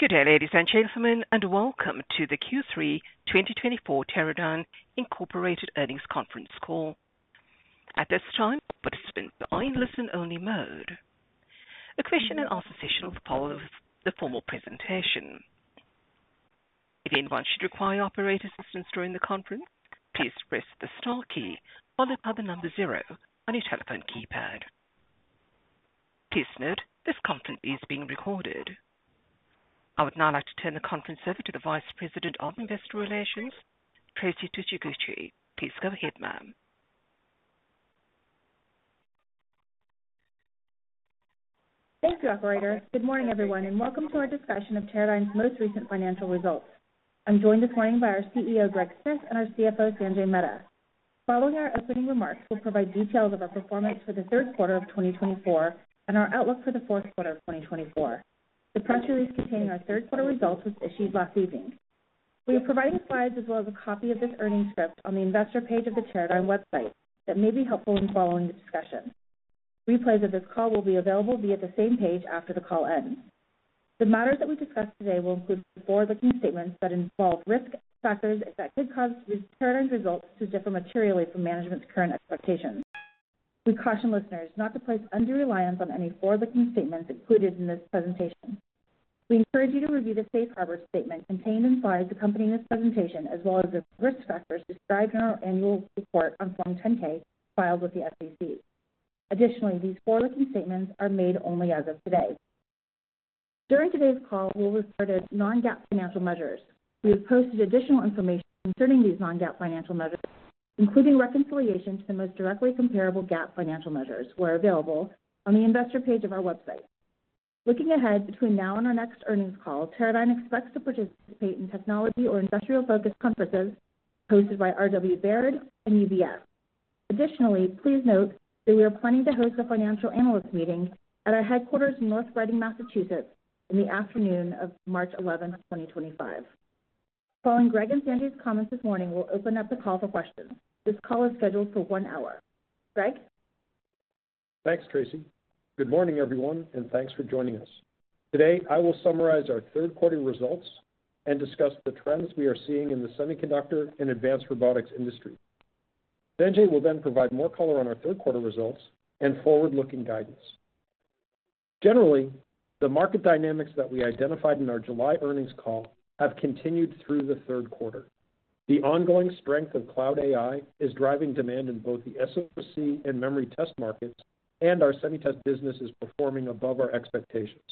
Good day, ladies and gentlemen, and welcome to the Q3 2024 Teradyne Incorporated earnings conference call. At this time, participants are in listen-only mode. A question-and-answer session will follow the formal presentation. If anyone should require operator assistance during the conference, please press the star key followed by the number zero on your telephone keypad. Please note, this conference is being recorded. I would now like to turn the conference over to the Vice President of Investor Relations, Traci Tsuchiguchi. Please go ahead, ma'am. Thank you, operator. Good morning, everyone, and welcome to our discussion of Teradyne's most recent financial results. I'm joined this morning by our CEO, Greg Smith, and our CFO, Sanjay Mehta. Following our opening remarks, we'll provide details of our performance for the third quarter of 2024 and our outlook for the fourth quarter of 2024. The press release containing our third quarter results was issued last evening. We have provided slides as well as a copy of this earnings script on the investor page of the Teradyne website that may be helpful in following the discussion. Replays of this call will be available via the same page after the call ends. The matters that we discuss today will include forward-looking statements that involve risk factors that could cause Teradyne's results to differ materially from management's current expectations. We caution listeners not to place undue reliance on any forward-looking statements included in this presentation. We encourage you to review the safe harbor statement contained in slides accompanying this presentation, as well as the risk factors described in our annual report on Form 10-K filed with the SEC. Additionally, these forward-looking statements are made only as of today. During today's call, we'll report non-GAAP financial measures. We have posted additional information concerning these non-GAAP financial measures, including reconciliation to the most directly comparable GAAP financial measures, where available on the investor page of our website. Looking ahead, between now and our next earnings call, Teradyne expects to participate in technology or industrial-focused conferences hosted by R.W. Baird and UBS. Additionally, please note that we are planning to host a financial analyst meeting at our headquarters in North Reading, Massachusetts, in the afternoon of March 11, 2025. Following Greg and Sanjay's comments this morning, we'll open up the call for questions. This call is scheduled for one hour. Greg? Thanks, Traci. Good morning, everyone, and thanks for joining us. Today, I will summarize our third quarter results and discuss the trends we are seeing in the semiconductor and advanced robotics industry. Sanjay will then provide more color on our third quarter results and forward-looking guidance. Generally, the market dynamics that we identified in our July earnings call have continued through the third quarter. The ongoing strength of cloud AI is driving demand in both the SoC and memory test markets, and our SemiTest business is performing above our expectations.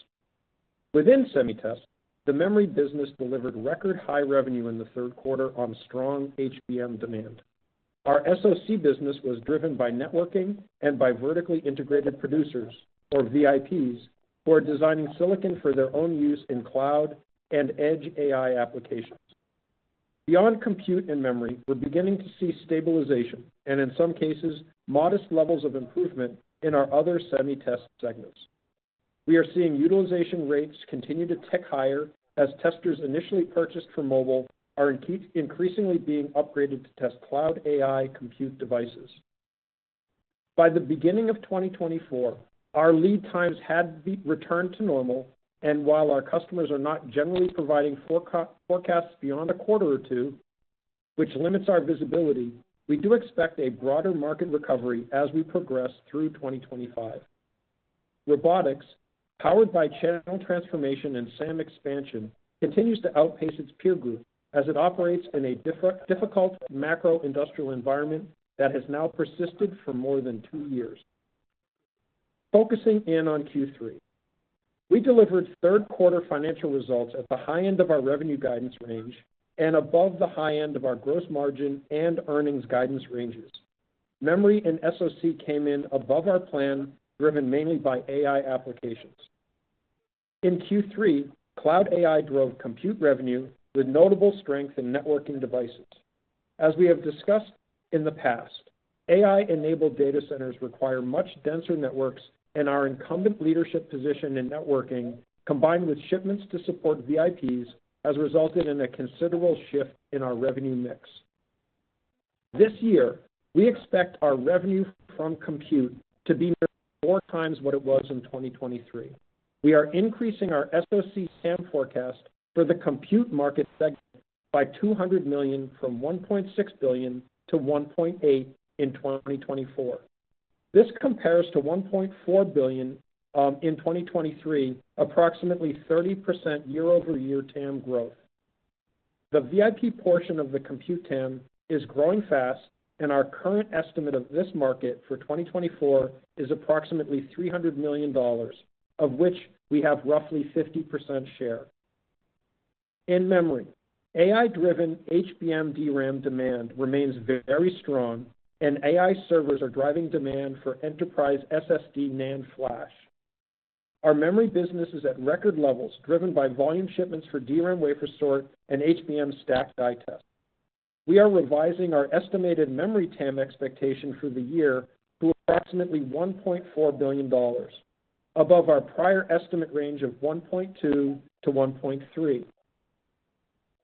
Within SemiTest, the memory business delivered record-high revenue in the third quarter on strong HBM demand. Our SoC business was driven by networking and by vertically integrated producers, or VIPs, who are designing silicon for their own use in cloud and edge AI applications. Beyond compute and memory, we're beginning to see stabilization and, in some cases, modest levels of improvement in our other SemiTest segments. We are seeing utilization rates continue to tick higher as testers initially purchased for mobile are increasingly being upgraded to test cloud AI compute devices. By the beginning of 2024, our lead times had returned to normal, and while our customers are not generally providing forecasts beyond a quarter or two, which limits our visibility, we do expect a broader market recovery as we progress through 2025. Robotics, powered by channel transformation and SAM expansion, continues to outpace its peer group as it operates in a difficult macro-industrial environment that has now persisted for more than two years. Focusing in on Q3, we delivered third-quarter financial results at the high end of our revenue guidance range and above the high end of our gross margin and earnings guidance ranges. Memory and SoC came in above our plan, driven mainly by AI applications. In Q3, cloud AI drove compute revenue with notable strength in networking devices. As we have discussed in the past, AI-enabled data centers require much denser networks, and our incumbent leadership position in networking, combined with shipments to support VIPs, has resulted in a considerable shift in our revenue mix. This year, we expect our revenue from compute to be four times what it was in 2023. We are increasing our SoC SAM forecast for the compute market segment by $200 million, from $1.6 billion to $1.8 billion in 2024. This compares to $1.4 billion in 2023, approximately 30% year-over-year TAM growth. The VIP portion of the compute TAM is growing fast, and our current estimate of this market for 2024 is approximately $300 million, of which we have roughly 50% share. In memory, AI-driven HBM DRAM demand remains very strong, and AI servers are driving demand for enterprise SSD NAND flash. Our memory business is at record levels, driven by volume shipments for DRAM wafer sort and HBM stacked die test. We are revising our estimated memory TAM expectation for the year to approximately $1.4 billion, above our prior estimate range of $1.2 billion to $1.3 billion.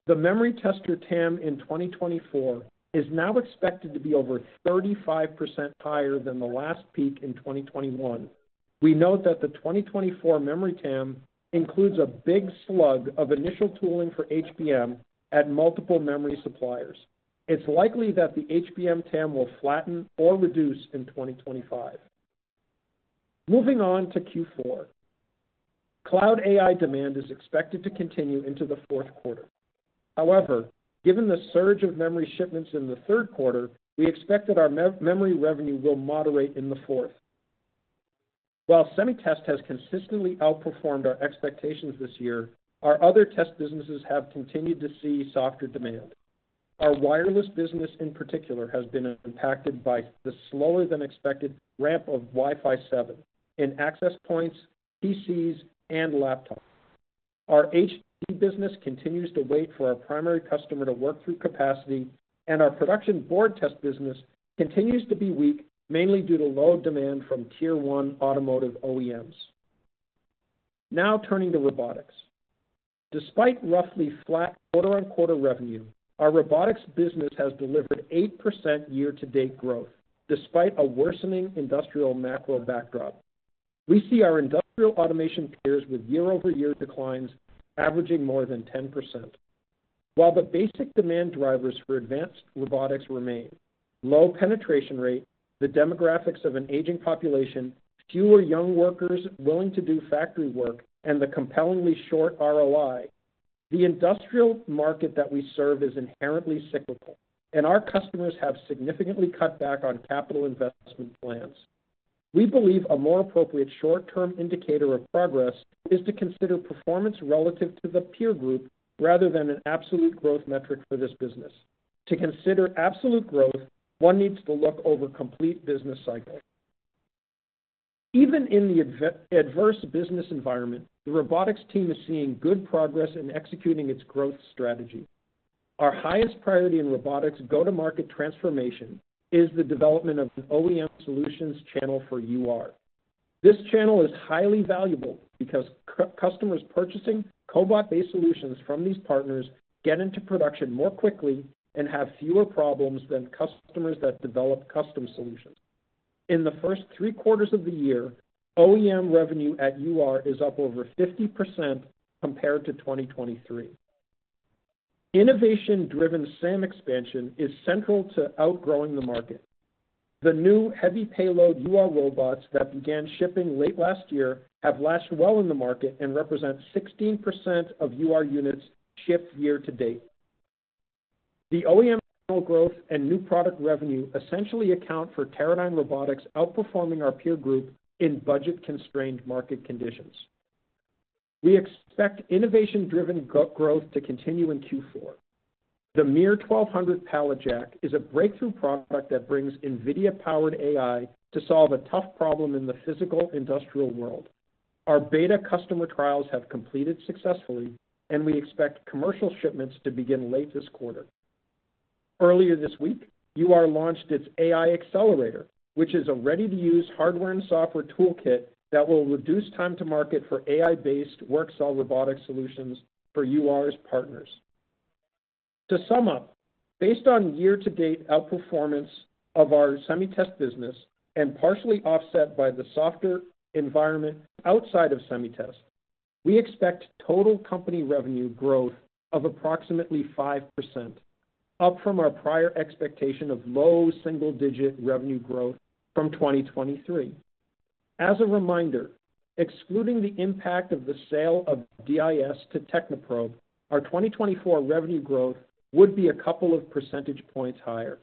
The memory tester TAM in 2024 is now expected to be over 35% higher than the last peak in 2021. We note that the 2024 memory TAM includes a big slug of initial tooling for HBM at multiple memory suppliers. It's likely that the HBM TAM will flatten or reduce in 2025. Moving on to Q4. Cloud AI demand is expected to continue into the fourth quarter. However, given the surge of memory shipments in the third quarter, we expect that our memory revenue will moderate in the fourth. While SemiTest has consistently outperformed our expectations this year, our other test businesses have continued to see softer demand. Our wireless business, in particular, has been impacted by the slower-than-expected ramp of Wi-Fi 7 in access points, PCs, and laptops. Our HDD business continues to wait for our primary customer to work through capacity, and our Production Board Test business continues to be weak, mainly due to low demand from Tier One automotive OEMs. Now, turning to robotics. Despite roughly flat quarter-on-quarter revenue, our robotics business has delivered 8% year-to-date growth, despite a worsening industrial macro backdrop. We see our industrial automation peers with year-over-year declines averaging more than 10%. While the basic demand drivers for advanced robotics remain, low penetration rate, the demographics of an aging population, fewer young workers willing to do factory work, and the compellingly short ROI, the industrial market that we serve is inherently cyclical, and our customers have significantly cut back on capital investment plans. We believe a more appropriate short-term indicator of progress is to consider performance relative to the peer group rather than an absolute growth metric for this business. To consider absolute growth, one needs to look over complete business cycle. Even in the adverse business environment, the robotics team is seeing good progress in executing its growth strategy. Our highest priority in robotics go-to-market transformation is the development of an OEM solutions channel for UR. This channel is highly valuable because customers purchasing cobot-based solutions from these partners get into production more quickly and have fewer problems than customers that develop custom solutions. In the first three quarters of the year, OEM revenue at UR is up over 50% compared to 2023. Innovation-driven SAM expansion is central to outgrowing the market. The new heavy payload UR robots that began shipping late last year have lasted well in the market and represent 16% of UR units shipped year to date. The OEM growth and new product revenue essentially account for Teradyne Robotics outperforming our peer group in budget-constrained market conditions. We expect innovation-driven growth to continue in Q4. The MiR1200 Pallet Jack is a breakthrough product that brings NVIDIA-powered AI to solve a tough problem in the physical industrial world. Our beta customer trials have completed successfully, and we expect commercial shipments to begin late this quarter. Earlier this week, UR launched its AI Accelerator, which is a ready-to-use hardware and software toolkit that will reduce time to market for AI-based work cell robotic solutions for UR's partners. To sum up, based on year-to-date outperformance of our SemiTest business and partially offset by the softer environment outside of SemiTest, we expect total company revenue growth of approximately 5%, up from our prior expectation of low single-digit revenue growth from 2023. As a reminder, excluding the impact of the sale of DIS to Technoprobe, our 2024 revenue growth would be a couple of percentage points higher.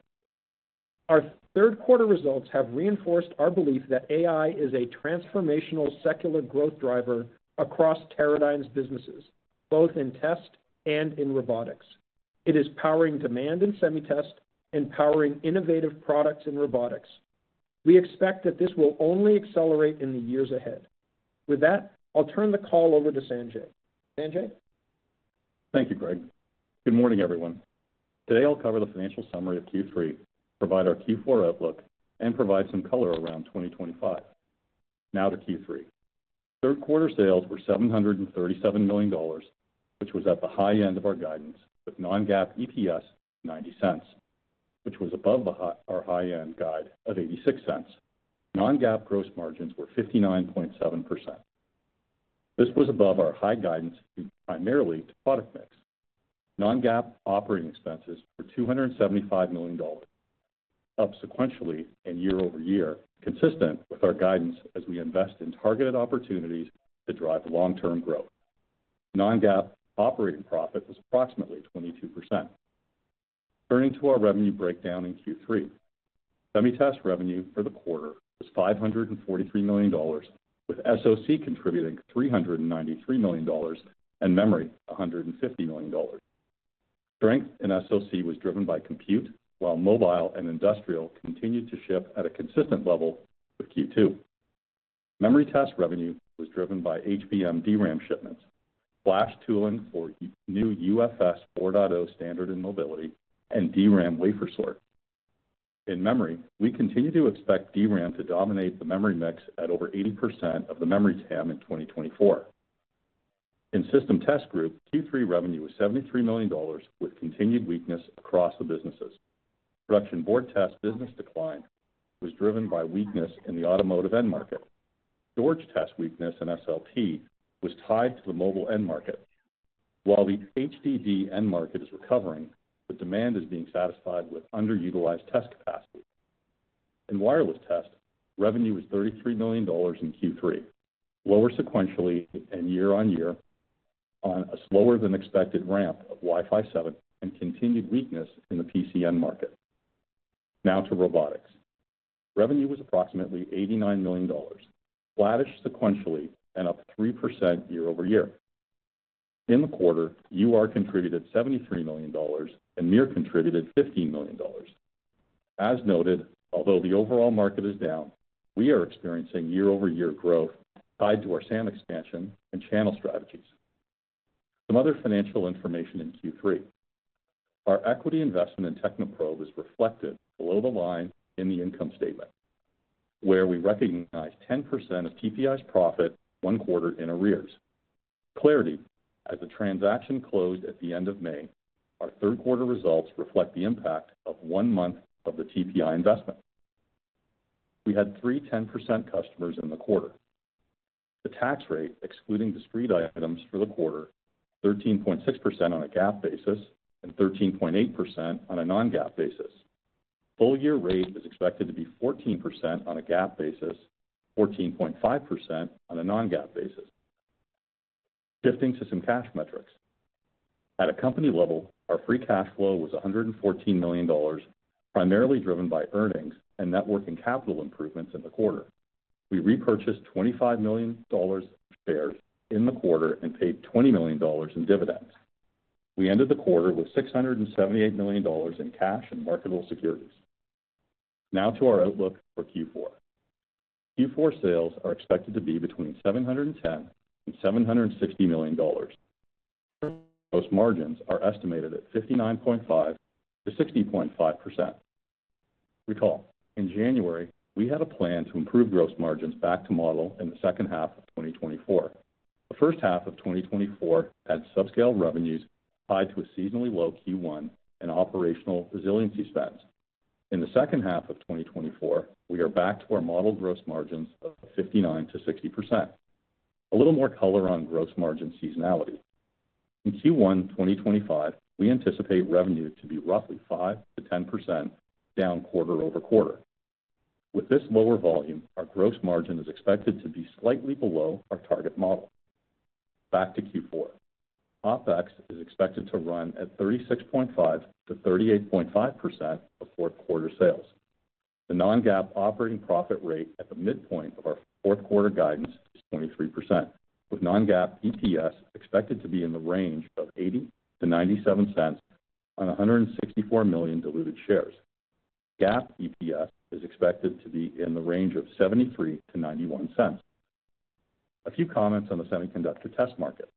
Our third quarter results have reinforced our belief that AI is a transformational secular growth driver across Teradyne's businesses, both in test and in robotics. It is powering demand in SemiTest and powering innovative products in robotics. We expect that this will only accelerate in the years ahead. With that, I'll turn the call over to Sanjay. Sanjay? Thank you, Greg. Good morning, everyone. Today, I'll cover the financial summary of Q3, provide our Q4 outlook, and provide some color around 2025. Now to Q3. Third quarter sales were $737 million, which was at the high end of our guidance, with non-GAAP EPS $0.90, which was above our high-end guide of $0.86. Non-GAAP gross margins were 59.7%. This was above our high guidance, primarily due to product mix. Non-GAAP operating expenses were $275 million, up sequentially and year-over-year, consistent with our guidance as we invest in targeted opportunities to drive long-term growth. Non-GAAP operating profit was approximately 22%. Turning to our revenue breakdown in Q3. Test revenue for the quarter was $543 million, with SoC contributing $393 million, and memory, $150 million. Strength in SoC was driven by compute, while mobile and industrial continued to ship at a consistent level with Q2. Memory test revenue was driven by HBM DRAM shipments, flash tooling for new UFS 4.0 standard and mobility, and DRAM wafer sort. In memory, we continue to expect DRAM to dominate the memory mix at over 80% of the memory TAM in 2024. In System Test Group, Q3 revenue was $73 million, with continued weakness across the businesses. Production board test business decline was driven by weakness in the automotive end market. Storage Test weakness in SLT was tied to the mobile end market. While the HDD end market is recovering, the demand is being satisfied with underutilized test capacity. In Wireless Test, revenue was $33 million in Q3, lower sequentially and year-on-year on a slower than expected ramp of Wi-Fi 7, and continued weakness in the cellular market. Now to robotics. Revenue was approximately $89 million, flattish sequentially and up 3% year-over-year. In the quarter, UR contributed $73 million, and MiR contributed $15 million. As noted, although the overall market is down, we are experiencing year-over-year growth tied to our SAM expansion and channel strategies. Some other financial information in Q3. Our equity investment in Technoprobe is reflected below the line in the income statement, where we recognize 10% of TPI's profit one quarter in arrears. Clarity. As the transaction closed at the end of May, our third quarter results reflect the impact of one month of the TPI investment. We had three 10% customers in the quarter. The tax rate, excluding discrete items for the quarter, 13.6% on a GAAP basis and 13.8% on a non-GAAP basis. Full year rate is expected to be 14% on a GAAP basis, 14.5% on a non-GAAP basis. Shifting to some cash metrics. At a company level, our free cash flow was $114 million, primarily driven by earnings and net working capital improvements in the quarter. We repurchased $25 million shares in the quarter and paid $20 million in dividends. We ended the quarter with $678 million in cash and marketable securities. Now to our outlook for Q4. Q4 sales are expected to be between $710 million and $760 million. Gross margins are estimated at 59.5%-60.5%. Recall, in January, we had a plan to improve gross margins back to model in the second half of 2024. The first half of 2024 had subscale revenues tied to a seasonally low Q1 and operational resiliency spends. In the second half of 2024, we are back to our modeled gross margins of 59%-60%. A little more color on gross margin seasonality. In Q1 2025, we anticipate revenue to be roughly 5%-10% down quarter-over-quarter. With this lower volume, our gross margin is expected to be slightly below our target model. Back to Q4. OpEx is expected to run at 36.5%-38.5% of fourth quarter sales. The non-GAAP operating profit rate at the midpoint of our fourth quarter guidance is 23%, with non-GAAP EPS expected to be in the range of $0.80-$0.97 on $164 million diluted shares. GAAP EPS is expected to be in the range of $0.73-$0.91. A few comments on the semiconductor test market.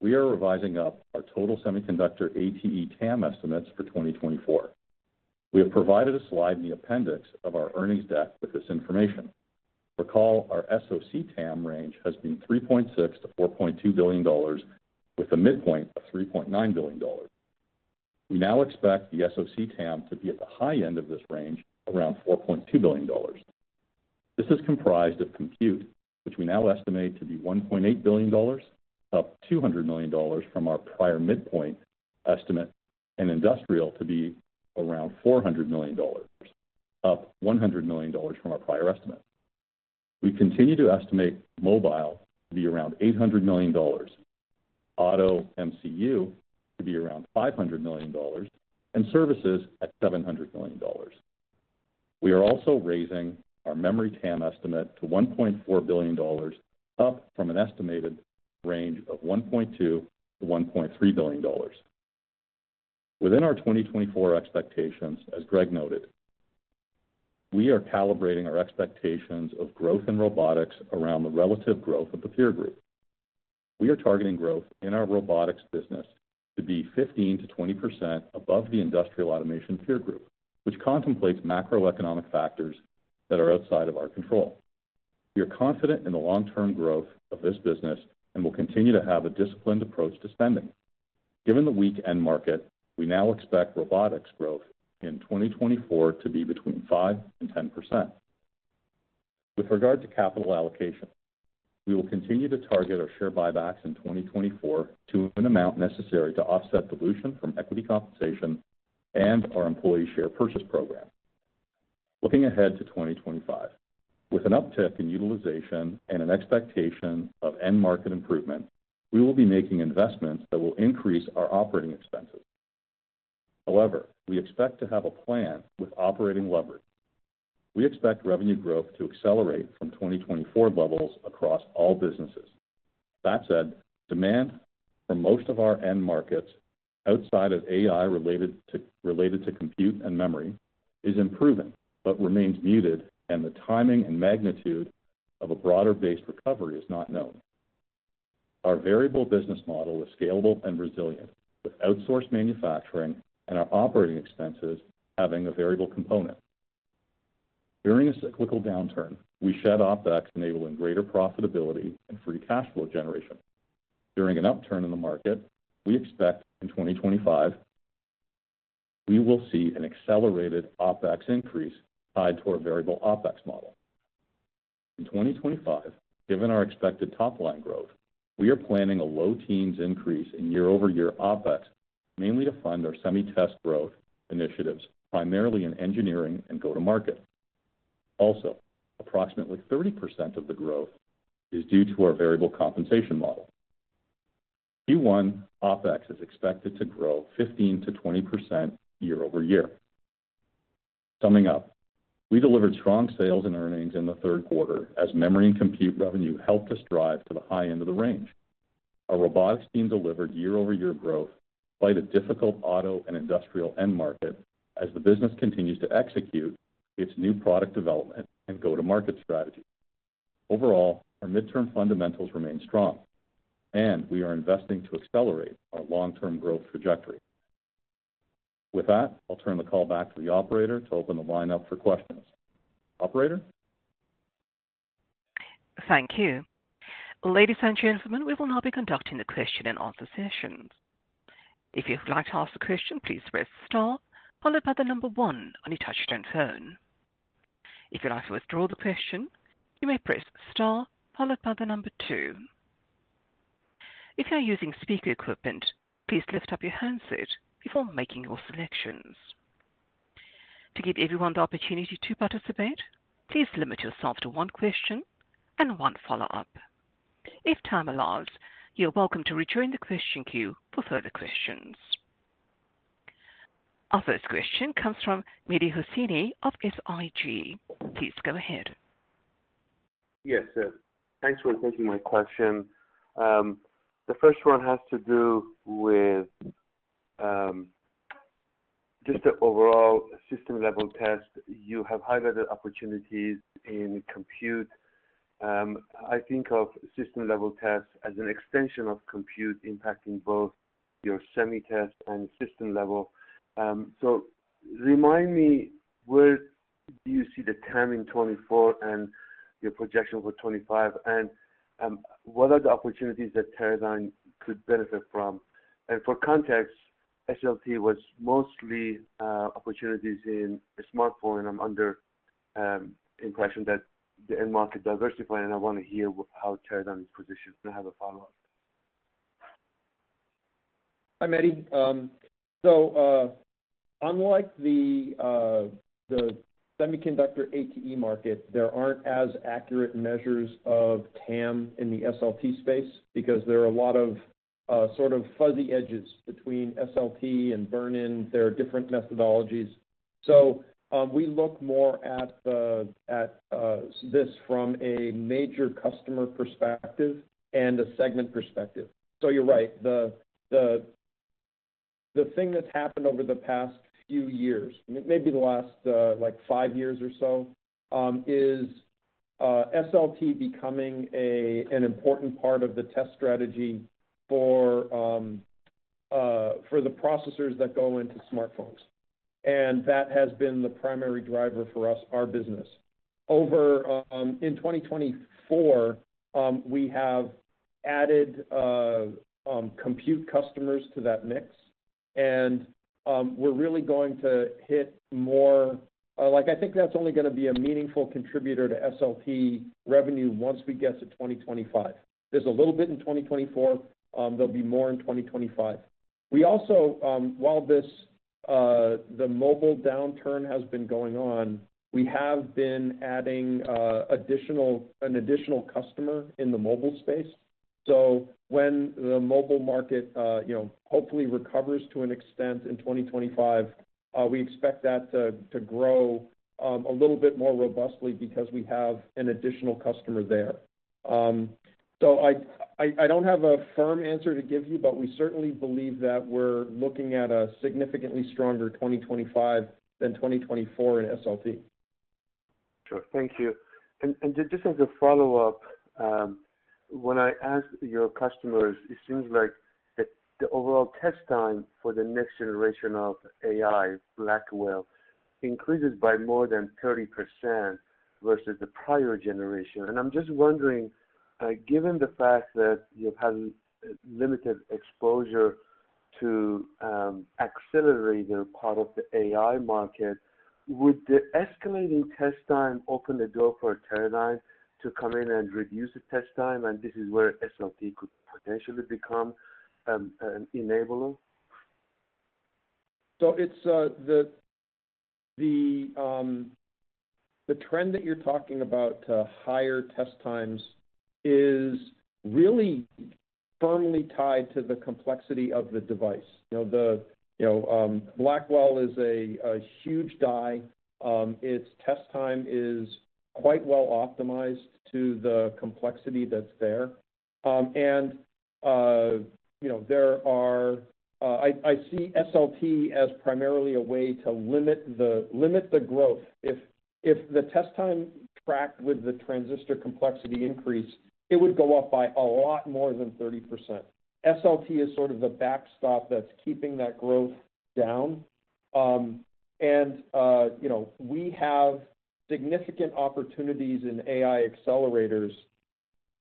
We are revising up our total semiconductor ATE TAM estimates for 2024. We have provided a slide in the appendix of our earnings deck with this information. Recall, our SoC TAM range has been $3.6-$4.2 billion, with a midpoint of $3.9 billion. We now expect the SoC TAM to be at the high end of this range, around $4.2 billion. This is comprised of compute, which we now estimate to be $1.8 billion, up $200 million from our prior midpoint estimate, and industrial to be around $400 million, up $100 million from our prior estimate. We continue to estimate mobile to be around $800 million, auto MCU to be around $500 million, and services at $700 million. We are also raising our memory TAM estimate to $1.4 billion, up from an estimated range of $1.2-$1.3 billion. Within our 2024 expectations, as Greg noted, we are calibrating our expectations of growth in robotics around the relative growth of the peer group. We are targeting growth in our robotics business to be 15%-20% above the industrial automation peer group, which contemplates macroeconomic factors that are outside of our control. We are confident in the long-term growth of this business and will continue to have a disciplined approach to spending. Given the weak end market, we now expect robotics growth in 2024 to be between 5% and 10%. With regard to capital allocation, we will continue to target our share buybacks in 2024 to an amount necessary to offset dilution from equity compensation and our employee share purchase program. Looking ahead to 2025. With an uptick in utilization and an expectation of end market improvement, we will be making investments that will increase our operating expenses. However, we expect to have a plan with operating leverage. We expect revenue growth to accelerate from 2024 levels across all businesses. That said, demand for most of our end markets outside of AI related to compute and memory is improving but remains muted, and the timing and magnitude of a broader-based recovery is not known. Our variable business model is scalable and resilient, with outsourced manufacturing and our operating expenses having a variable component. During a cyclical downturn, we shed OpEx, enabling greater profitability and free cash flow generation. During an upturn in the market, we expect in 2025, we will see an accelerated OpEx increase tied to our variable OpEx model. In 2025, given our expected top line growth, we are planning a low teens increase in year-over-year OpEx, mainly to fund our SemiTest growth initiatives, primarily in engineering and go-to-market. Also, approximately 30% of the growth is due to our variable compensation model. Q1 OpEx is expected to grow 15%-20% year-over-year. Summing up, we delivered strong sales and earnings in the third quarter as memory and compute revenue helped us drive to the high end of the range. Our robotics team delivered year-over-year growth despite a difficult auto and industrial end market, as the business continues to execute its new product development and go-to-market strategy. Overall, our midterm fundamentals remain strong, and we are investing to accelerate our long-term growth trajectory. With that, I'll turn the call back to the operator to open the line up for questions. Operator? Thank you. Ladies and gentlemen, we will now be conducting the question and answer session. If you'd like to ask a question, please press star followed by the number one on your touchtone phone. If you'd like to withdraw the question, you may press star followed by the number two. If you are using speaker equipment, please lift up your handset before making your selections. To give everyone the opportunity to participate, please limit yourself to one question and one follow-up. If time allows, you're welcome to rejoin the question queue for further questions. Our first question comes from Mehdi Hosseini of SIG. Please go ahead. Yes, sir. Thanks for taking my question. The first one has to do with just the overall system-level test. You have highlighted opportunities in compute. I think of system-level tests as an extension of compute, impacting both your semi test and system level. So remind me, where do you see the TAM in 2024 and your projections for 2025, and what are the opportunities that Teradyne could benefit from? For context, SLT was mostly opportunities in smartphone, and I'm under impression that the end market is diversifying, and I want to hear how Teradyne is positioned. I have a follow-up. Hi, Mehdi. So, unlike the semiconductor ATE market, there aren't as accurate measures of TAM in the SLT space because there are a lot of sort of fuzzy edges between SLT and burn-in. There are different methodologies. So, we look more at this from a major customer perspective and a segment perspective. So you're right, the thing that's happened over the past few years, maybe the last like five years or so, is SLT becoming an important part of the test strategy for the processors that go into smartphones. And that has been the primary driver for us, our business. Over in 2024, we have added compute customers to that mix, and we're really going to hit more... Like, I think that's only gonna be a meaningful contributor to SLT revenue once we get to 2025. There's a little bit in 2024, there'll be more in 2025. We also, while this, the mobile downturn has been going on, we have been adding an additional customer in the mobile space. So when the mobile market, you know, hopefully recovers to an extent in 2025, we expect that to grow a little bit more robustly because we have an additional customer there. So I don't have a firm answer to give you, but we certainly believe that we're looking at a significantly stronger 2025 than 2024 in SLT. Sure. Thank you. Just as a follow-up, when I ask your customers, it seems like the overall test time for the next generation of AI, Blackwell, increases by more than 30% versus the prior generation. I'm just wondering, given the fact that you've had limited exposure to the accelerator part of the AI market, would the escalating test time open the door for Teradyne to come in and reduce the test time, and this is where SLT could potentially become an enabler? So it's the trend that you're talking about, higher test times, is really firmly tied to the complexity of the device. You know, Blackwell is a huge die. Its test time is quite well optimized to the complexity that's there. And you know, there are, I see SLT as primarily a way to limit the growth. If the test time tracked with the transistor complexity increase, it would go up by a lot more than 30%. SLT is sort of the backstop that's keeping that growth down. And you know, we have significant opportunities in AI accelerators,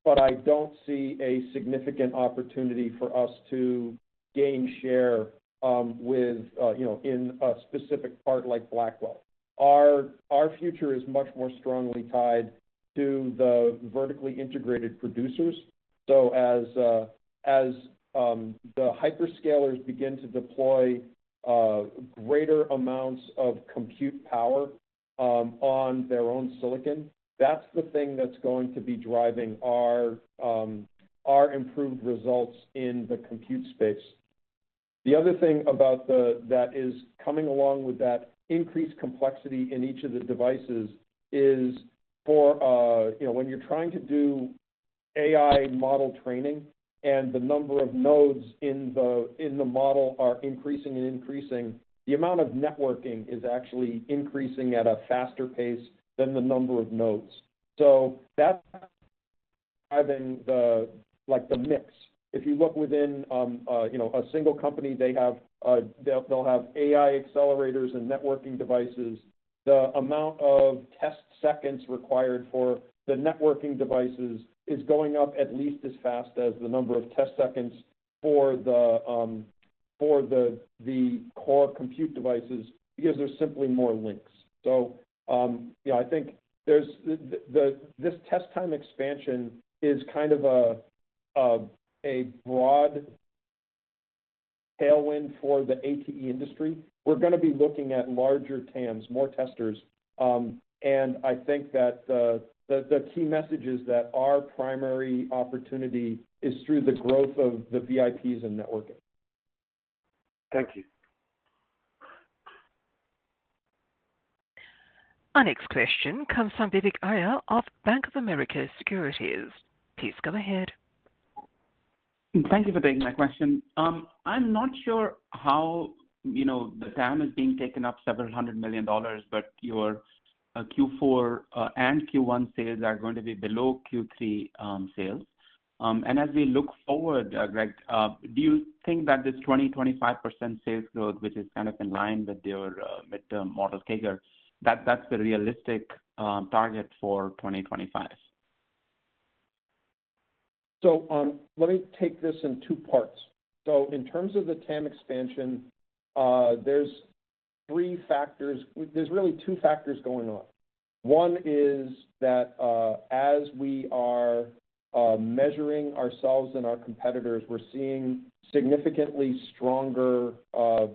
but I don't see a significant opportunity for us to gain share, with you know, in a specific part like Blackwell. Our future is much more strongly tied to the vertically integrated producers. So as the hyperscalers begin to deploy greater amounts of compute power on their own silicon, that's the thing that's going to be driving our improved results in the compute space. The other thing about that is coming along with that increased complexity in each of the devices is for you know, when you're trying to do AI model training and the number of nodes in the model are increasing and increasing, the amount of networking is actually increasing at a faster pace than the number of nodes. So that's been the like, the mix. If you look within you know, a single company, they have, they'll have AI accelerators and networking devices. The amount of test seconds required for the networking devices is going up at least as fast as the number of test seconds for the core compute devices, because there's simply more links. So, you know, I think there's this test time expansion is kind of a broad tailwind for the ATE industry. We're gonna be looking at larger TAMs, more testers, and I think that the key message is that our primary opportunity is through the growth of the VIPs and networking. Thank you. Our next question comes from Vivek Arya of Bank of America Securities. Please go ahead. Thank you for taking my question. I'm not sure how, you know, the TAM is being taken up several $100 million, but your Q4 and Q1 sales are going to be below Q3 sales. And as we look forward, Greg, do you think that this 25% sales growth, which is kind of in line with your mid-term model CAGR, that, that's the realistic target for 2025? Let me take this in two parts. In terms of the TAM expansion, there's three factors. There's really two factors going on. One is that, as we are measuring ourselves and our competitors, we're seeing significantly stronger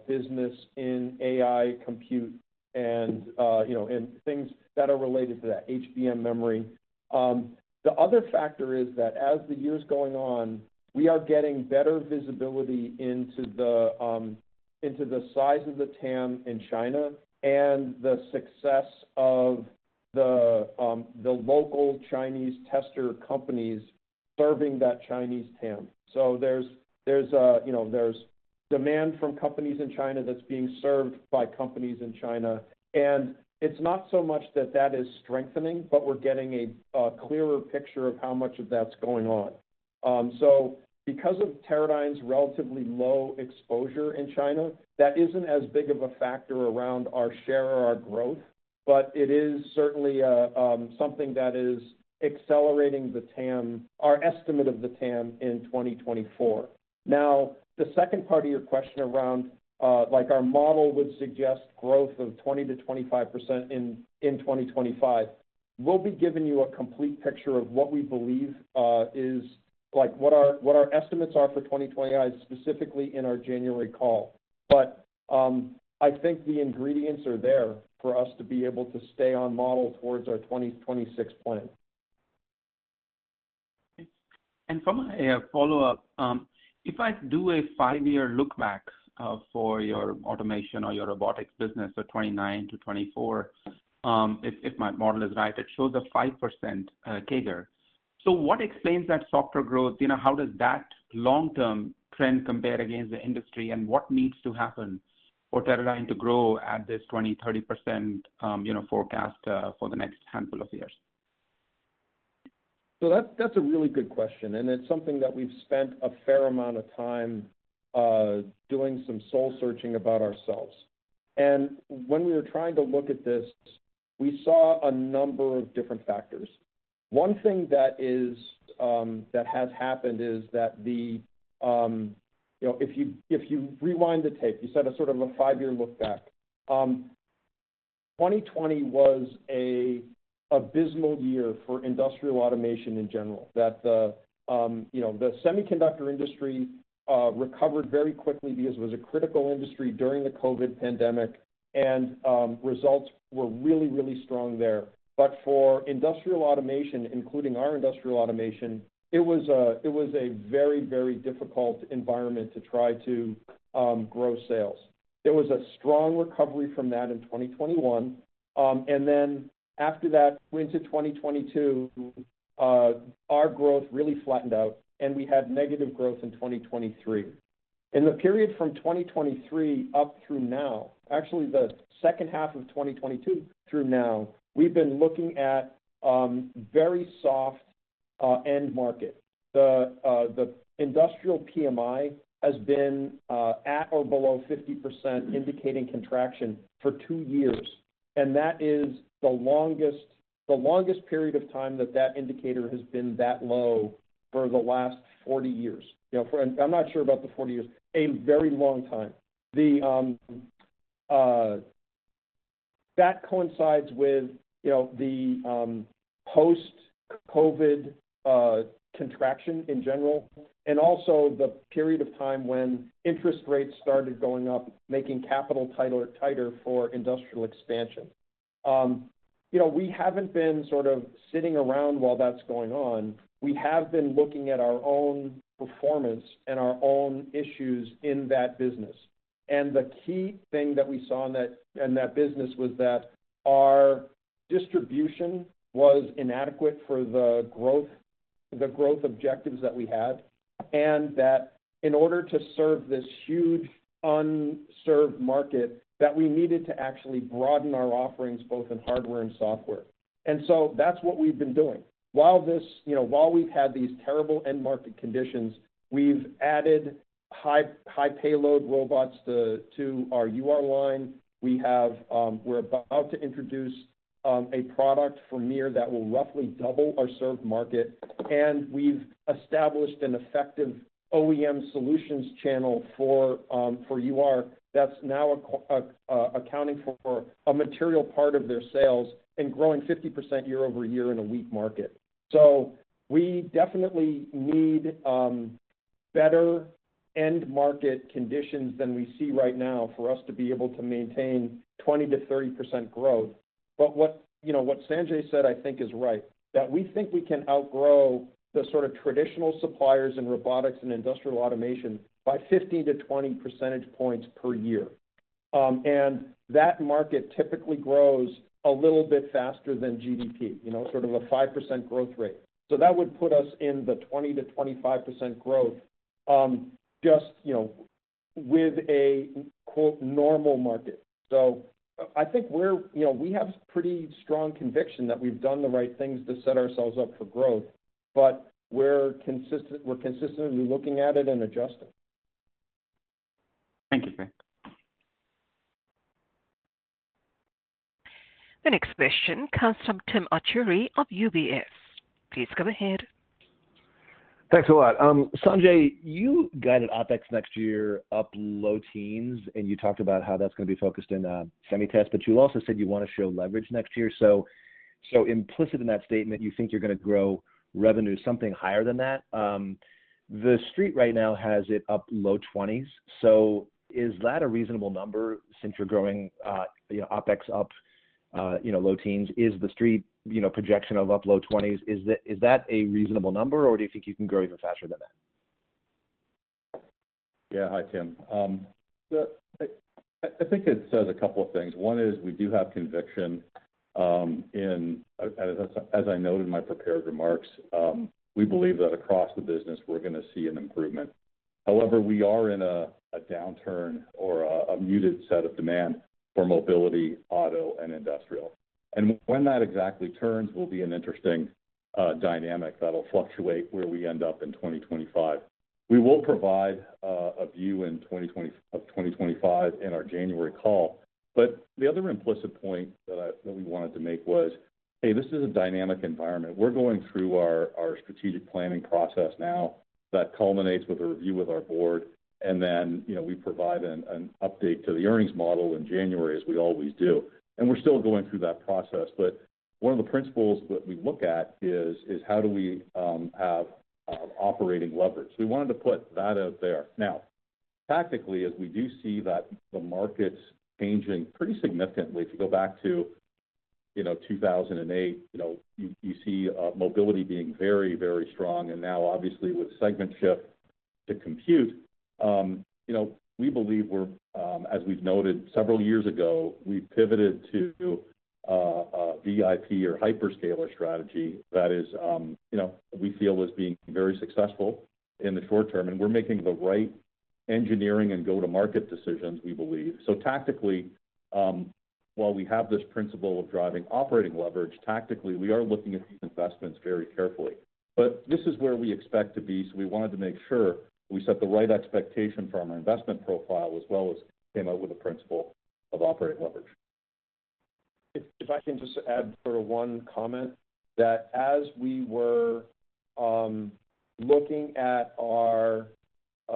business in AI compute and, you know, and things that are related to that, HBM memory. The other factor is that as the years going on, we are getting better visibility into the size of the TAM in China, and the success of the local Chinese tester companies serving that Chinese TAM. There's a, you know, there's demand from companies in China that's being served by companies in China, and it's not so much that that is strengthening, but we're getting a clearer picture of how much of that's going on. So because of Teradyne's relatively low exposure in China, that isn't as big of a factor around our share or our growth, but it is certainly a something that is accelerating the TAM, our estimate of the TAM in 2024. Now, the second part of your question around like, our model would suggest growth of 20%-25% in 2025. We'll be giving you a complete picture of what we believe is like what our estimates are for 2025, specifically in our January call. But I think the ingredients are there for us to be able to stay on model towards our 2026 plan. From a follow-up, if I do a five-year look back for your automation or your robotics business for 2019 to 2024, if my model is right, it shows a 5% CAGR. So what explains that softer growth? You know, how does that long-term trend compare against the industry, and what needs to happen for Teradyne to grow at this 20%-30% forecast for the next handful of years? So that's a really good question, and it's something that we've spent a fair amount of time doing some soul searching about ourselves. And when we were trying to look at this, we saw a number of different factors. One thing that has happened is that you know, if you rewind the tape, you set a sort of a five-year look back. 2020 was an abysmal year for industrial automation in general. That the semiconductor industry recovered very quickly because it was a critical industry during the COVID pandemic, and results were really, really strong there. But for industrial automation, including our industrial automation, it was a very, very difficult environment to try to grow sales. There was a strong recovery from that in 2021, and then after that, went to 2022, our growth really flattened out, and we had negative growth in 2023. In the period from 2023 up through now, actually, the second half of 2022 through now, we've been looking at very soft end market. The industrial PMI has been at or below 50%, indicating contraction for two years, and that is the longest period of time that that indicator has been that low for the last 40 years. You know, I'm not sure about the 40 years, a very long time. That coincides with, you know, the post-COVID contraction in general, and also the period of time when interest rates started going up, making capital tighter for industrial expansion. You know, we haven't been sort of sitting around while that's going on. We have been looking at our own performance and our own issues in that business. The key thing that we saw in that business was that our distribution was inadequate for the growth objectives that we had, and that in order to serve this huge unserved market, we needed to actually broaden our offerings, both in hardware and software. So that's what we've been doing. While this, you know, while we've had these terrible end market conditions, we've added high payload robots to our UR line. We have. We're about to introduce a product from MiR that will roughly double our served market, and we've established an effective OEM solutions channel for UR, that's now accounting for a material part of their sales and growing 50% year-over-year in a weak market. So we definitely need better end market conditions than we see right now for us to be able to maintain 20%-30% growth. But what, you know, what Sanjay said, I think, is right, that we think we can outgrow the sort of traditional suppliers in robotics and industrial automation by 15-20 percentage points per year. And that market typically grows a little bit faster than GDP, you know, sort of a 5% growth rate. So that would put us in the 20%-25% growth, just, you know, with a, quote, "normal market." So I think we're, you know, we have pretty strong conviction that we've done the right things to set ourselves up for growth, but we're consistent, we're consistently looking at it and adjusting. Thank you, Greg. The next question comes from Tim Arcuri of UBS. Please go ahead. Thanks a lot. Sanjay, you guided OpEx next year up low teens, and you talked about how that's going to be focused in SemiTest, but you also said you want to show leverage next year. So, so implicit in that statement, you think you're going to grow revenue something higher than that? The Street right now has it up low twenties. So is that a reasonable number since you're growing, you know, OpEx up, you know, low teens? Is the street, you know, projection of up low twenties, is that a reasonable number, or do you think you can grow even faster than that? Yeah. Hi, Tim. I think it says a couple of things. One is we do have conviction in, as I noted in my prepared remarks, we believe that across the business, we're going to see an improvement. However, we are in a downturn or a muted set of demand for mobility, auto, and industrial. And when that exactly turns will be an interesting dynamic that'll fluctuate where we end up in 2025. We will provide a view in 2025 in our January call. But the other implicit point that we wanted to make was, hey, this is a dynamic environment. We're going through our strategic planning process now that culminates with a review with our board, and then, you know, we provide an update to the earnings model in January, as we always do. And we're still going through that process, but one of the principles that we look at is how do we have operating leverage? We wanted to put that out there. Now, tactically, as we do see that the market's changing pretty significantly, if you go back to, you know, 2008, you know, you see mobility being very, very strong, and now obviously with segment shift to compute, you know, we believe we're, as we've noted several years ago, we pivoted to a VIP or hyperscaler strategy that is, you know, we feel is being very successful in the short term, and we're making the right engineering and go-to-market decisions, we believe. So tactically, while we have this principle of driving operating leverage, tactically, we are looking at these investments very carefully. But this is where we expect to be, so we wanted to make sure we set the right expectation for our investment profile, as well as came out with a principle of operating leverage. If I can just add sort of one comment, that as we were looking at our, you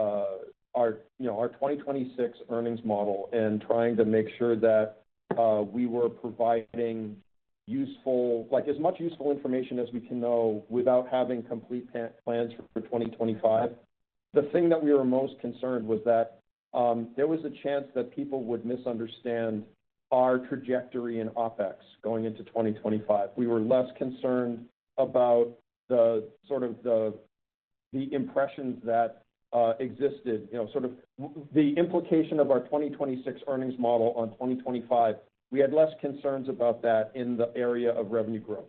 know, our 2026 earnings model and trying to make sure that we were providing useful, like, as much useful information as we can know without having complete plans for 2025, the thing that we were most concerned was that there was a chance that people would misunderstand our trajectory in OpEx going into 2025. We were less concerned about the sort of the impressions that existed, you know, sort of the implication of our 2026 earnings model on 2025. We had less concerns about that in the area of revenue growth.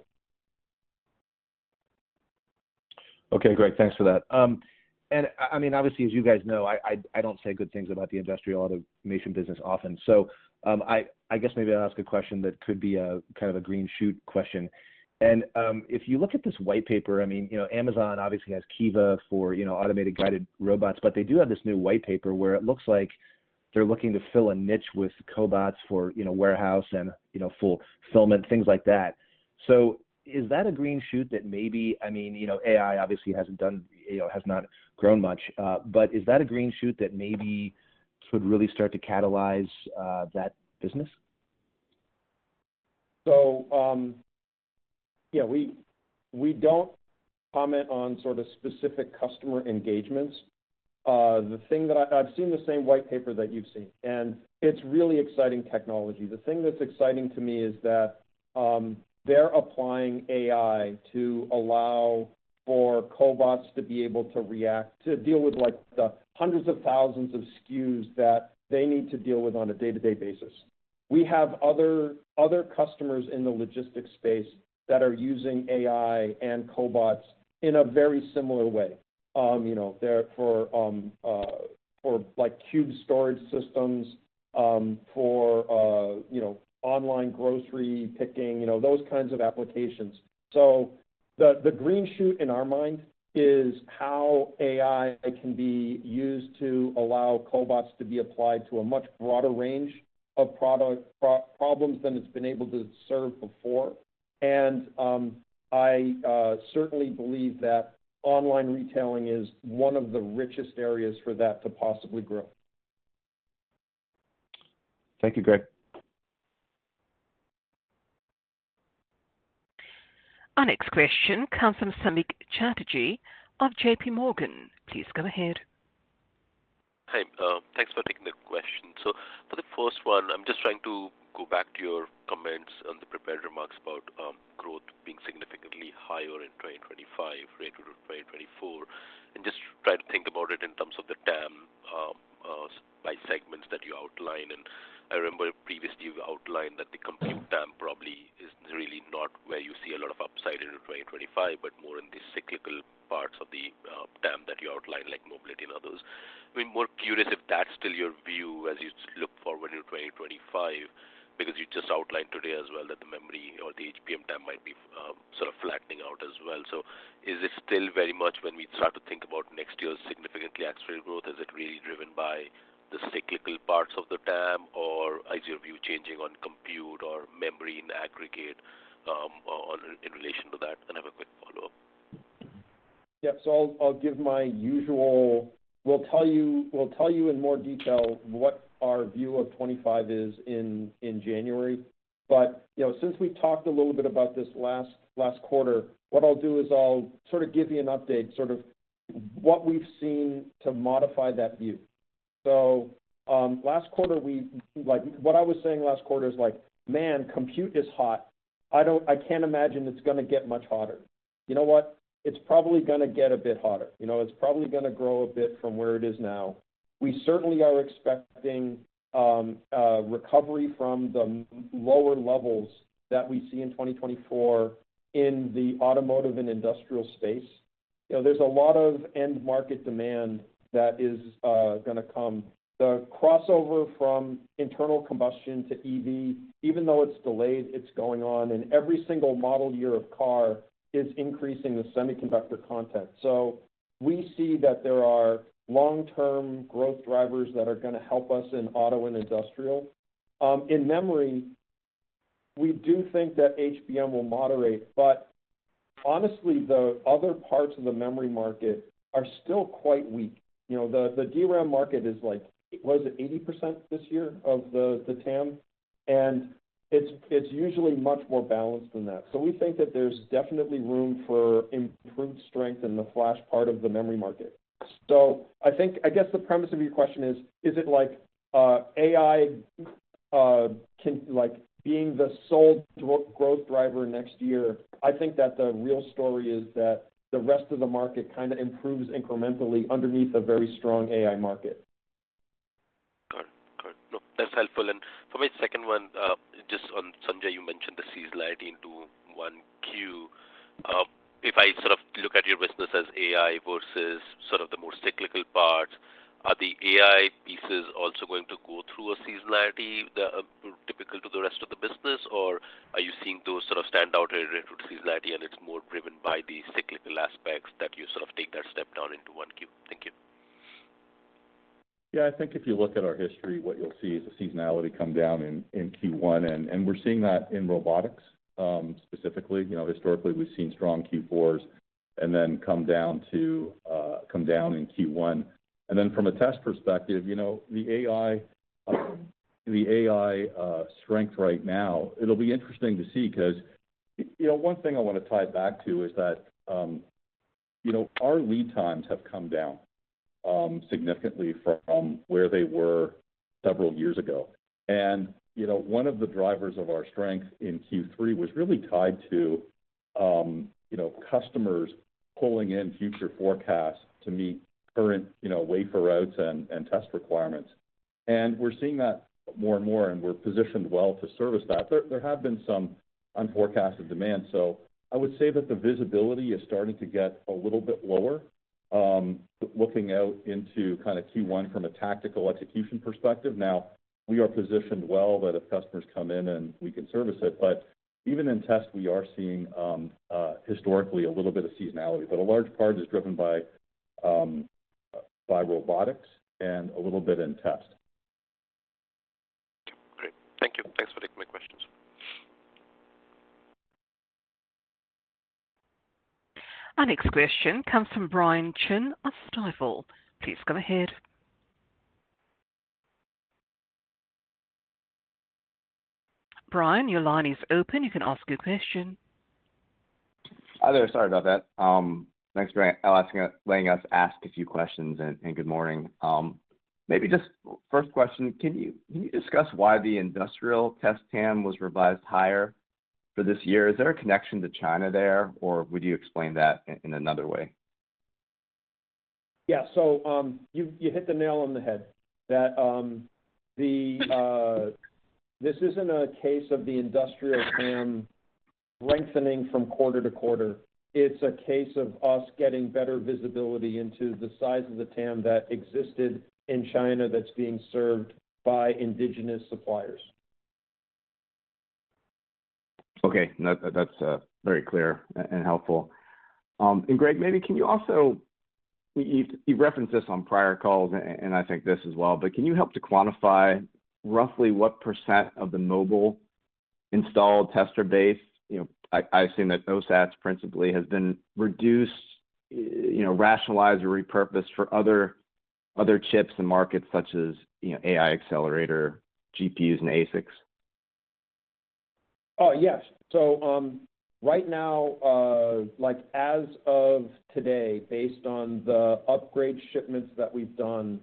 Okay, great. Thanks for that. And I mean, obviously, as you guys know, I don't say good things about the industrial automation business often. So, I guess maybe I'll ask a question that could be a kind of a green shoot question. And, if you look at this white paper, I mean, you know, Amazon obviously has Kiva for, you know, automated guided robots, but they do have this new white paper where it looks like they're looking to fill a niche with cobots for, you know, warehouse and, you know, fulfillment, things like that. So is that a green shoot that maybe I mean, you know, AI obviously hasn't done, you know, has not grown much, but is that a green shoot that maybe could really start to catalyze that business? So, yeah, we don't comment on sort of specific customer engagements. The thing that I've seen the same white paper that you've seen, and it's really exciting technology. The thing that's exciting to me is that, they're applying AI to allow for cobots to be able to react, to deal with, like, the hundreds of thousands of SKUs that they need to deal with on a day-to-day basis. We have other customers in the logistics space that are using AI and cobots in a very similar way. You know, they're for, like, cube storage systems, for, you know, online grocery picking, you know, those kinds of applications. So the green shoot in our mind is how AI can be used to allow cobots to be applied to a much broader range of product problems than it's been able to serve before. And I certainly believe that online retailing is one of the richest areas for that to possibly grow. Thank you, Greg. Our next question comes from Samik Chatterjee of J.P. Morgan. Please go ahead. Hi, thanks for taking the question. So for the first one, I'm just trying to go back to your comments on the prepared remarks about growth being significantly higher in 2025 relative to 2024, and just try to think about it in terms of the TAM by segments that you outlined. And I remember previously you've outlined that the compute TAM probably is really not where you see a lot of upside into 2025, but more in the cyclical parts of the TAM that you outlined, like mobility and others. I mean, more curious if that's still your view as you look forward to 2025, because you just outlined today as well, that the memory or the HBM TAM might be sort of flattening out as well. Is it still very much when we start to think about next year's significantly accelerated growth, is it really driven by the cyclical parts of the TAM, or is your view changing on compute or memory in aggregate, on in relation to that? I have a quick follow-up. Yeah. So I'll give my usual... We'll tell you in more detail what our view of 2025 is in January. But, you know, since we've talked a little bit about this last quarter, what I'll do is I'll sort of give you an update, sort of what we've seen to modify that view. So, last quarter, like, what I was saying last quarter is like, "Man, compute is hot. I can't imagine it's going to get much hotter." You know what? It's probably going to get a bit hotter. You know, it's probably going to grow a bit from where it is now. We certainly are expecting recovery from the lower levels that we see in 2024 in the automotive and industrial space. You know, there's a lot of end-market demand that is going to come. The crossover from internal combustion to EV, even though it's delayed, it's going on, and every single model year of car is increasing the semiconductor content. So we see that there are long-term growth drivers that are going to help us in auto and industrial. In memory, we do think that HBM will moderate, but honestly, the other parts of the memory market are still quite weak. You know, the DRAM market is like, what is it, 80% this year of the TAM? And it's usually much more balanced than that. So we think that there's definitely room for improved strength in the flash part of the memory market. So I think, I guess the premise of your question is: Is it like, AI, can, like, being the sole growth driver next year? I think that the real story is that the rest of the market kind of improves incrementally underneath a very strong AI market. Got it. Got it. No, that's helpful. And for my second one, just on, Sanjay, you mentioned the seasonality into 1Q. If I sort of look at your business as AI versus sort of the more cyclical parts, are the AI pieces also going to go through a seasonality, typical to the rest of the business? Or are you seeing those sort of stand out in relation to seasonality, and it's more driven by the cyclical aspects that you sort of take that step down into one Q? Thank you. Yeah, I think if you look at our history, what you'll see is the seasonality come down in Q1, and we're seeing that in robotics specifically. You know, historically, we've seen strong Q4s and then come down to come down in Q1. And then from a test perspective, you know, the AI strength right now, it'll be interesting to see, because, you know, one thing I want to tie it back to is that, you know, our lead times have come down significantly from where they were several years ago. And, you know, one of the drivers of our strength in Q3 was really tied to, you know, customers pulling in future forecasts to meet current, you know, wafer sorts and test requirements. And we're seeing that more and more, and we're positioned well to service that. There have been some unforecasted demand. So I would say that the visibility is starting to get a little bit lower, looking out into kind of Q1 from a tactical execution perspective. Now, we are positioned well that if customers come in and we can service it, but even in test, we are seeing, historically, a little bit of seasonality. But a large part is driven by, by robotics and a little bit in test. Great. Thank you. Thanks for taking my questions. Our next question comes from Brian Chin of Stifel. Please go ahead. Brian, your line is open. You can ask your question. Hi there. Sorry about that. Thanks for asking, letting us ask a few questions, and good morning. Maybe just first question, can you discuss why the industrial test TAM was revised higher for this year? Is there a connection to China there, or would you explain that in another way? Yeah, so you hit the nail on the head that this isn't a case of the industrial TAM lengthening from quarter to quarter. It's a case of us getting better visibility into the size of the TAM that existed in China that's being served by indigenous suppliers. Okay. That's very clear and helpful. And Greg, maybe can you also... You've referenced this on prior calls, and I think this as well, but can you help to quantify roughly what percent of the mobile installed tester base, you know, I assume that OSATs principally, has been reduced, you know, rationalized or repurposed for other chips and markets such as, you know, AI accelerator, GPUs, and ASICs? Oh, yes, so right now, like as of today, based on the upgrade shipments that we've done,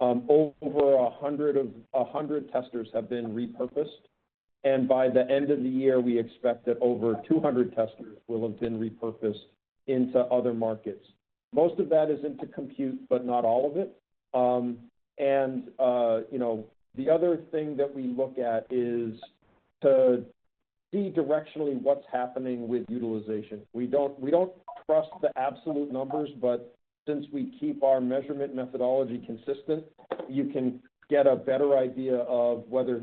over 100 testers have been repurposed, and by the end of the year, we expect that over 200 testers will have been repurposed into other markets. Most of that is into compute, but not all of it, and you know, the other thing that we look at is to see directionally what's happening with utilization. We don't trust the absolute numbers, but since we keep our measurement methodology consistent, you can get a better idea of whether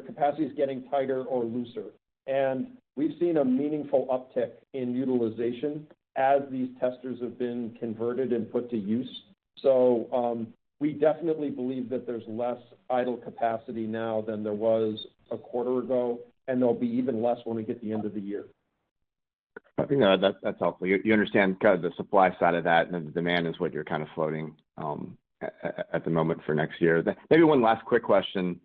capacity is getting tighter or looser, and we've seen a meaningful uptick in utilization as these testers have been converted and put to use. We definitely believe that there's less idle capacity now than there was a quarter ago, and there'll be even less when we get to the end of the year. I think that, that's helpful. You understand kind of the supply side of that, and the demand is what you're kind of floating at the moment for next year. Maybe one last quick question.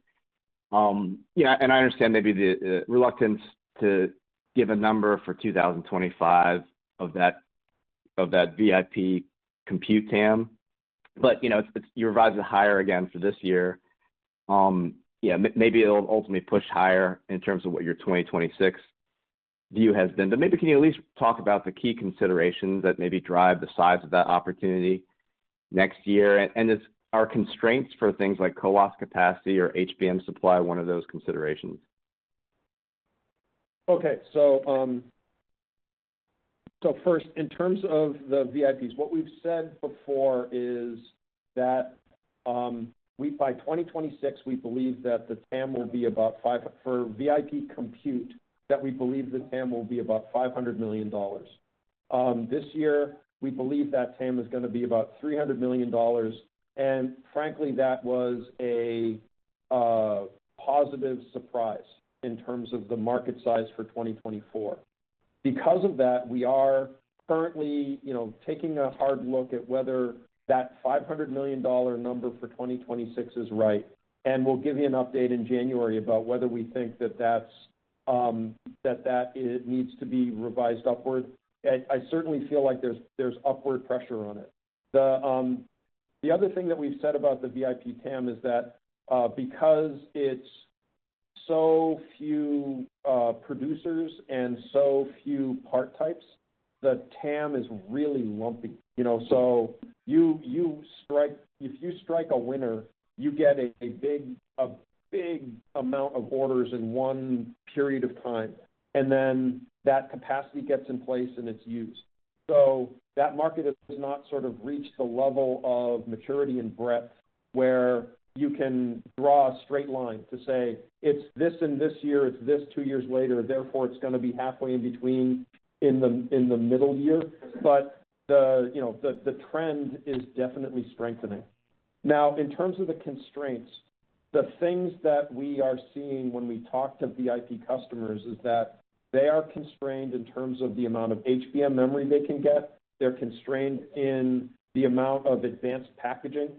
Yeah, and I understand maybe the reluctance to give a number for 2025 of that VIP compute TAM, but you know, you revised it higher again for this year. Yeah, maybe it'll ultimately push higher in terms of what your 2026 view has been. But maybe, can you at least talk about the key considerations that maybe drive the size of that opportunity next year? And are constraints for things like CoWoS capacity or HBM supply, one of those considerations? Okay. So first, in terms of the VIPs, what we've said before is that by 2026, we believe that the TAM will be about five for VIP compute, that we believe the TAM will be about $500 million. This year, we believe that TAM is going to be about $300 million, and frankly, that was a positive surprise in terms of the market size for 2024. Because of that, we are currently, you know, taking a hard look at whether that $500 million number for 2026 is right. And we'll give you an update in January about whether we think that that's, that it needs to be revised upward. I certainly feel like there's upward pressure on it. The other thing that we've said about the VIP TAM is that, because it's so few producers and so few part types, the TAM is really lumpy. You know, so if you strike a winner, you get a big amount of orders in one period of time, and then that capacity gets in place, and it's used. So that market has not sort of reached the level of maturity and breadth, where you can draw a straight line to say, it's this and this year, it's this two years later, therefore, it's going to be halfway in between, in the middle year. But the trend is definitely strengthening. Now, in terms of the constraints, the things that we are seeing when we talk to VIP customers is that they are constrained in terms of the amount of HBM memory they can get. They're constrained in the amount of advanced packaging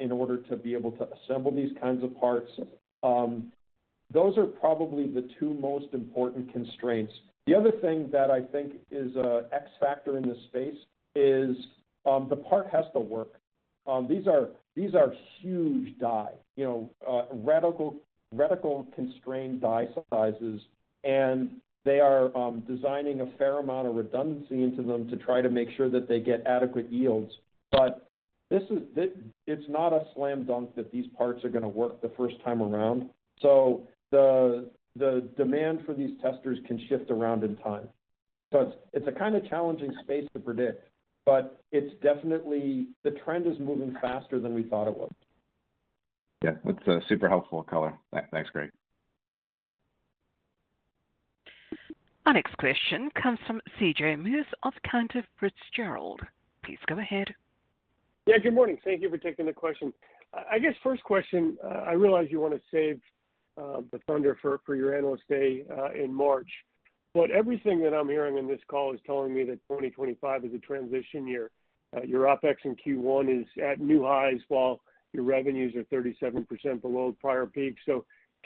in order to be able to assemble these kinds of parts. Those are probably the two most important constraints. The other thing that I think is a X factor in this space is, the part has to work. These are huge die, you know, radical constrained die sizes, and they are designing a fair amount of redundancy into them to try to make sure that they get adequate yields. But this is not a slam dunk that these parts are gonna work the first time around. The demand for these testers can shift around in time. It's a kind of challenging space to predict, but it's definitely the trend is moving faster than we thought it would. Yeah, that's a super helpful color. Thanks, Greg. Our next question comes from CJ Muse of Cantor Fitzgerald. Please go ahead. Yeah, good morning. Thank you for taking the question. I guess first question, I realize you want to save the thunder for your Analyst Day in March, but everything that I'm hearing in this call is telling me that 2025 is a transition year. Your OpEx in Q1 is at new highs, while your revenues are 37% below prior peak.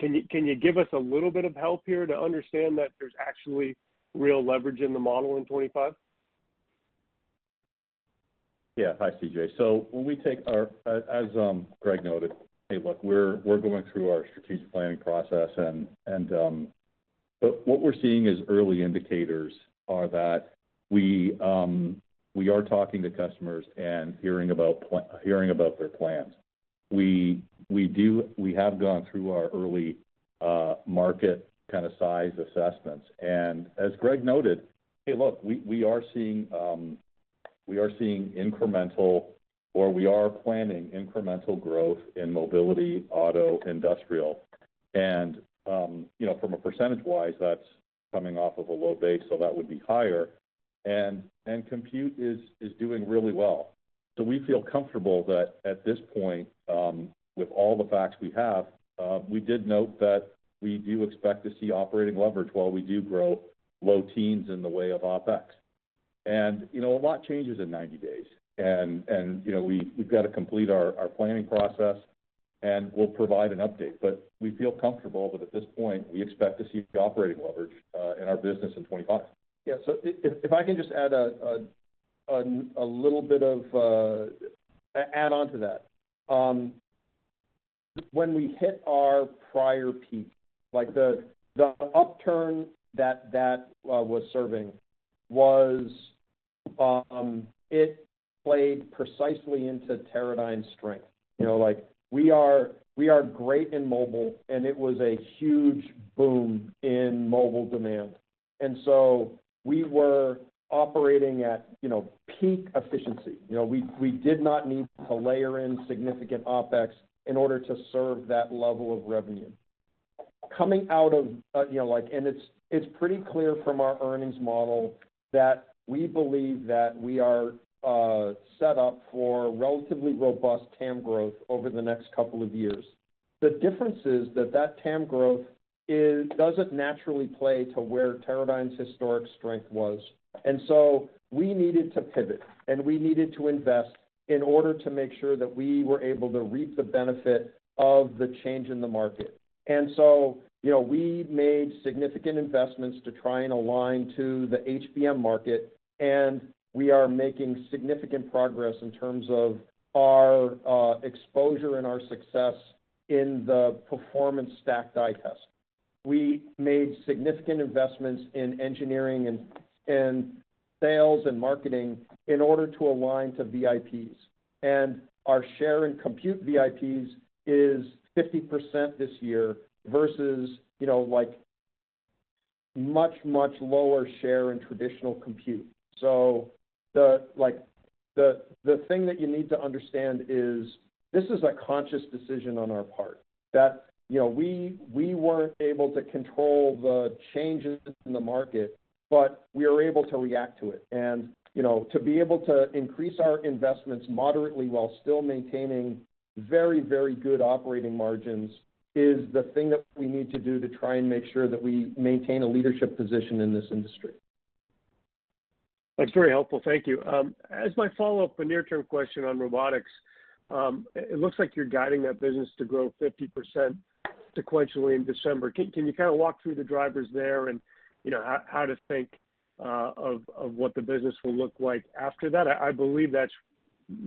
So can you give us a little bit of help here to understand that there's actually real leverage in the model in 2025? Yeah. Hi, CJ. So when we take our - as Greg noted, hey, look, we're going through our strategic planning process and, but what we're seeing as early indicators are that we are talking to customers and hearing about their plans. We have gone through our early market kind of size assessments, and as Greg noted, hey, look, we are seeing incremental, or we are planning incremental growth in mobility, auto, industrial. And you know, from a percentage-wise, that's coming off of a low base, so that would be higher, and compute is doing really well. So we feel comfortable that at this point, with all the facts we have, we did note that we do expect to see operating leverage while we do grow low teens in the way of OpEx. And, you know, a lot changes in 90 days, and, you know, we've got to complete our planning process, and we'll provide an update. But we feel comfortable that at this point, we expect to see operating leverage in our business in 2025. Yeah, so if I can just add a little bit of an add-on to that. When we hit our prior peak, like, the upturn that was serving, it played precisely into Teradyne's strength. You know, like, we are great in mobile, and it was a huge boom in mobile demand. And so we were operating at, you know, peak efficiency. You know, we did not need to layer in significant OpEx in order to serve that level of revenue. Coming out of, you know, like, and it's pretty clear from our earnings model that we believe that we are set up for relatively robust TAM growth over the next couple of years. The difference is that TAM growth doesn't naturally play to where Teradyne's historic strength was. We needed to pivot, and we needed to invest in order to make sure that we were able to reap the benefit of the change in the market. And so, you know, we made significant investments to try and align to the HBM market, and we are making significant progress in terms of our exposure and our success in the high-performance stacked die test. We made significant investments in engineering and sales and marketing in order to align to VIPs, and our share in compute VIPs is 50% this year, versus, you know, like, much, much lower share in traditional compute. So, like, the thing that you need to understand is, this is a conscious decision on our part, that, you know, we weren't able to control the changes in the market, but we are able to react to it. You know, to be able to increase our investments moderately while still maintaining very, very good operating margins is the thing that we need to do to try and make sure that we maintain a leadership position in this industry. That's very helpful. Thank you. As my follow-up, a near-term question on robotics. It looks like you're guiding that business to grow 50% sequentially in December. Can you kind of walk through the drivers there and, you know, how to think of what the business will look like after that? I believe that's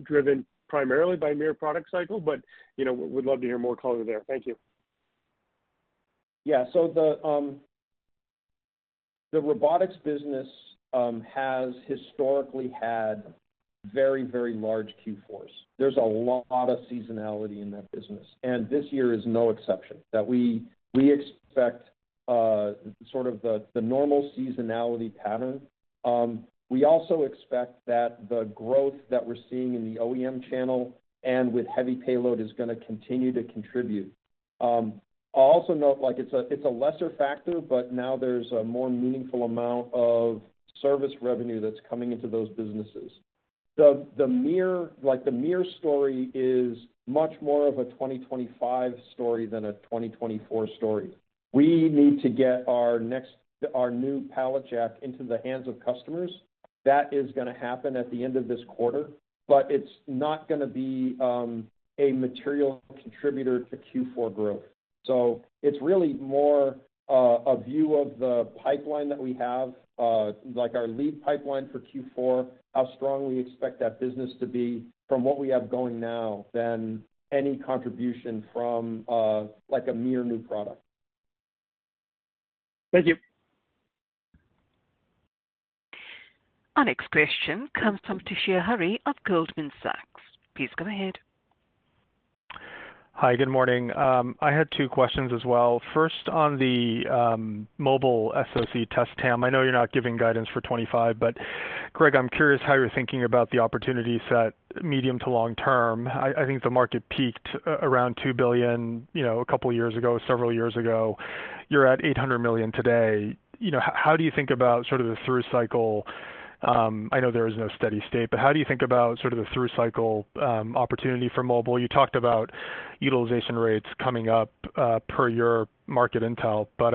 driven primarily by MiR product cycle, but, you know, we'd love to hear more color there. Thank you. Yeah. So the robotics business has historically had very, very large Q4s. There's a lot of seasonality in that business, and this year is no exception, that we expect sort of the normal seasonality pattern. We also expect that the growth that we're seeing in the OEM channel and with heavy payload is gonna continue to contribute. I'll also note, like, it's a lesser factor, but now there's a more meaningful amount of service revenue that's coming into those businesses. The MiR, like, the MiR story is much more of a 2025 story than a 2024 story. We need to get our new pallet jack into the hands of customers. That is gonna happen at the end of this quarter, but it's not gonna be a material contributor to Q4 growth. So it's really more a view of the pipeline that we have, like our lead pipeline for Q4, how strong we expect that business to be from what we have going now than any contribution from, like, a MiR new product. Thank you. Our next question comes from Toshiya Hari of Goldman Sachs. Please go ahead. Hi, good morning. I had two questions as well. First, on the mobile SoC test TAM. I know you're not giving guidance for 2025, but Greg, I'm curious how you're thinking about the opportunity set medium to long term. I think the market peaked around $2 billion, you know, a couple of years ago, several years ago. You're at $800 million today. You know, how do you think about sort of the through cycle. I know there is no steady state, but how do you think about sort of the through cycle opportunity for mobile? You talked about utilization rates coming up per your market intel, but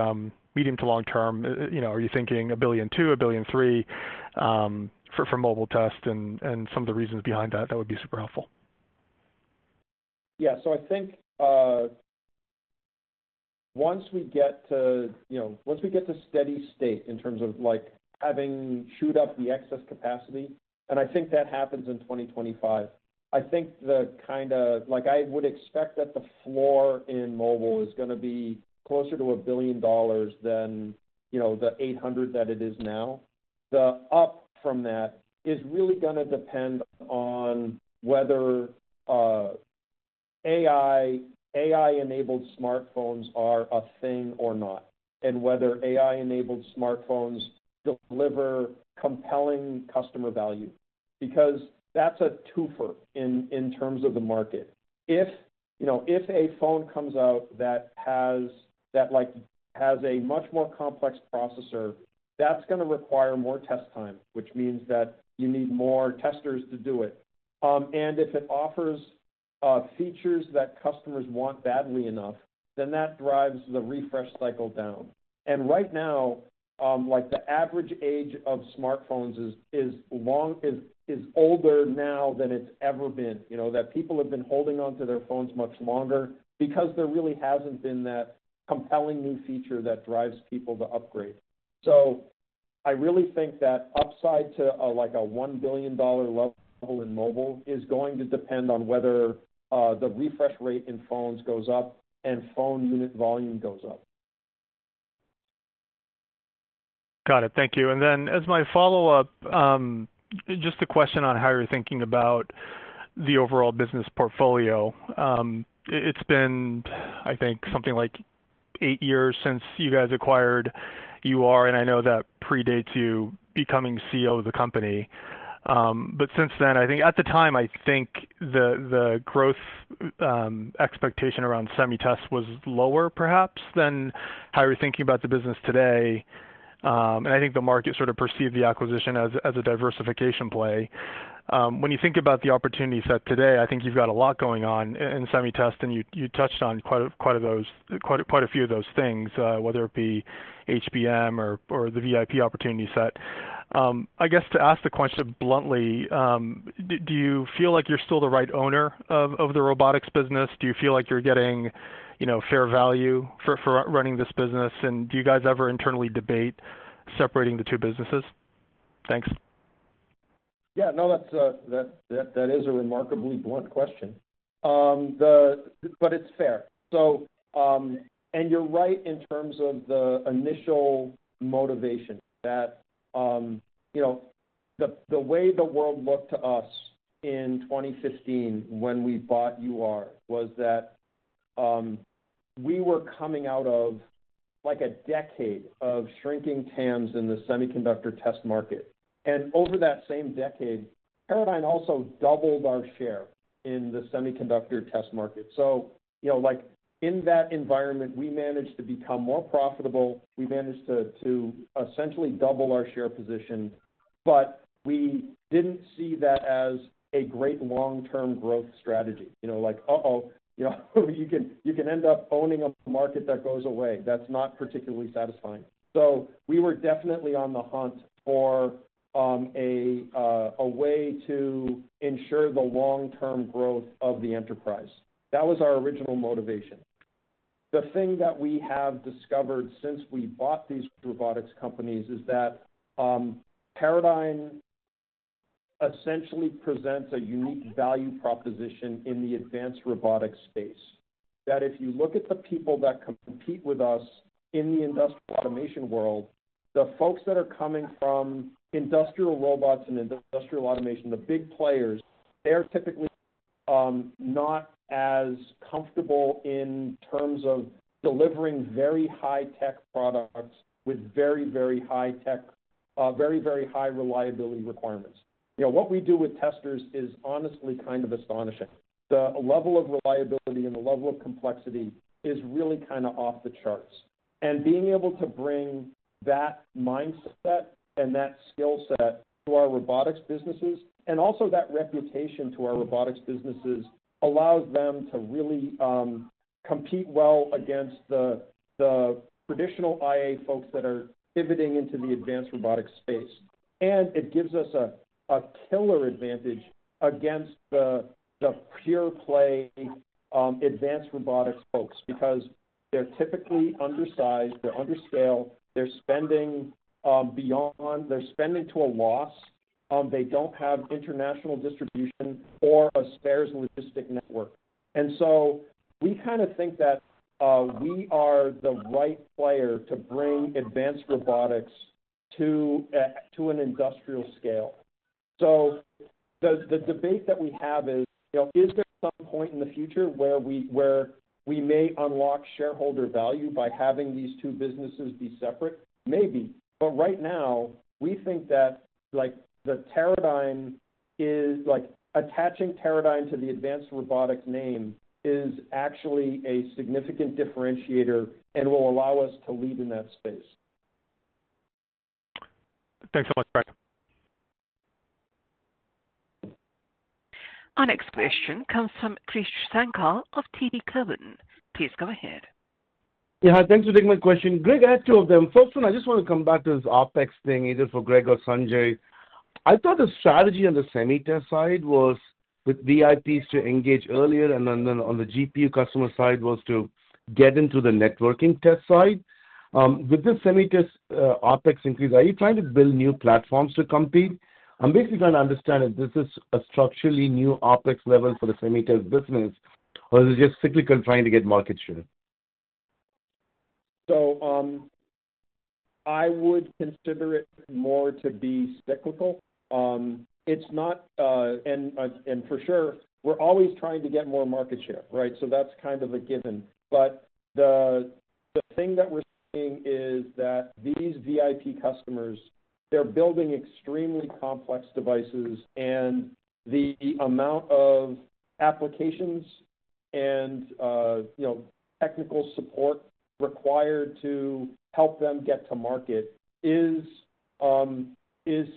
medium to long term, you know, are you thinking $1.2 billion-$1.3 billion for mobile test and some of the reasons behind that? That would be super helpful. Yeah. So I think once we get to, you know, once we get to steady state in terms of, like, having chewed up the excess capacity, and I think that happens in 2025. I think the kind of like, I would expect that the floor in mobile is going to be closer to $1 billion than, you know, the $800 million that it is now. The up from that is really going to depend on whether AI-enabled smartphones are a thing or not, and whether AI-enabled smartphones deliver compelling customer value, because that's a twofer in terms of the market. If, you know, if a phone comes out that has, like, a much more complex processor, that's going to require more test time, which means that you need more testers to do it. And if it offers features that customers want badly enough, then that drives the refresh cycle down. And right now, like, the average age of smartphones is older now than it's ever been. You know, that people have been holding onto their phones much longer because there really hasn't been that compelling new feature that drives people to upgrade. So I really think that upside to, like, a $1 billion level in mobile is going to depend on whether the refresh rate in phones goes up and phone unit volume goes up. Got it. Thank you. And then, as my follow-up, just a question on how you're thinking about the overall business portfolio. It's been, I think, something like eight years since you guys acquired UR, and I know that predates you becoming CEO of the company. But since then, I think... At the time, I think the, the growth expectation around SemiTest was lower perhaps than how you're thinking about the business today. And I think the market sort of perceived the acquisition as, as a diversification play. When you think about the opportunity set today, I think you've got a lot going on in, in SemiTest, and you, you touched on quite a few of those things, whether it be HBM or, or the VIP opportunity set. I guess to ask the question bluntly, do you feel like you're still the right owner of the robotics business? Do you feel like you're getting, you know, fair value for running this business? And do you guys ever internally debate separating the two businesses? Thanks. Yeah. No, that's a remarkably blunt question. But it's fair. So, and you're right in terms of the initial motivation, that you know, the way the world looked to us in 2015 when we bought UR, was that we were coming out of, like, a decade of shrinking TAMs in the semiconductor test market. And over that same decade, we also doubled our share in the semiconductor test market. So you know, like, in that environment, we managed to become more profitable. We managed to essentially double our share position, but we didn't see that as a great long-term growth strategy. You know, like, uh-oh, you know, you can end up owning a market that goes away. That's not particularly satisfying. So we were definitely on the hunt for a way to ensure the long-term growth of the enterprise. That was our original motivation. The thing that we have discovered since we bought these robotics companies is that Teradyne essentially presents a unique value proposition in the advanced robotics space. That if you look at the people that compete with us in the industrial automation world, the folks that are coming from industrial robots and industrial automation, the big players, they're typically not as comfortable in terms of delivering very high-tech products with very, very high-tech, very, very high reliability requirements. You know, what we do with testers is honestly kind of astonishing. The level of reliability and the level of complexity is really kind of off the charts. And being able to bring that mindset and that skill set to our robotics businesses, and also that reputation to our robotics businesses, allows them to really compete well against the traditional AGV folks that are pivoting into the advanced robotics space. And it gives us a killer advantage against the pure play advanced robotics folks, because they're typically undersized, they're under scale, they're spending beyond - they're spending to a loss. They don't have international distribution or a spares logistic network. And so we kind of think that we are the right player to bring advanced robotics to an industrial scale. So the debate that we have is, you know, is there some point in the future where we may unlock shareholder value by having these two businesses be separate? Maybe. Right now, we think that, like, the Teradyne is like attaching Teradyne to the advanced robotics name is actually a significant differentiator and will allow us to lead in that space. Thanks so much, Greg. Our next question comes from Krish Sankar of TD Cowen. Please go ahead. Yeah, thanks for taking my question. Greg, I have two of them. First one, I just want to come back to this OpEx thing, either for Greg or Sanjay. I thought the strategy on the SemiTest side was with VIPs to engage earlier, and then on the GPU customer side, was to get into the networking test side. With this SemiTest, OpEx increase, are you trying to build new platforms to compete? I'm basically trying to understand if this is a structurally new OpEx level for the SemiTest business, or is it just cyclical trying to get market share? So, I would consider it more to be cyclical. It's not. And for sure, we're always trying to get more market share, right? So that's kind of a given. But the thing that we're seeing is that these VIP customers, they're building extremely complex devices, and the amount of applications and, you know, technical support required to help them get to market is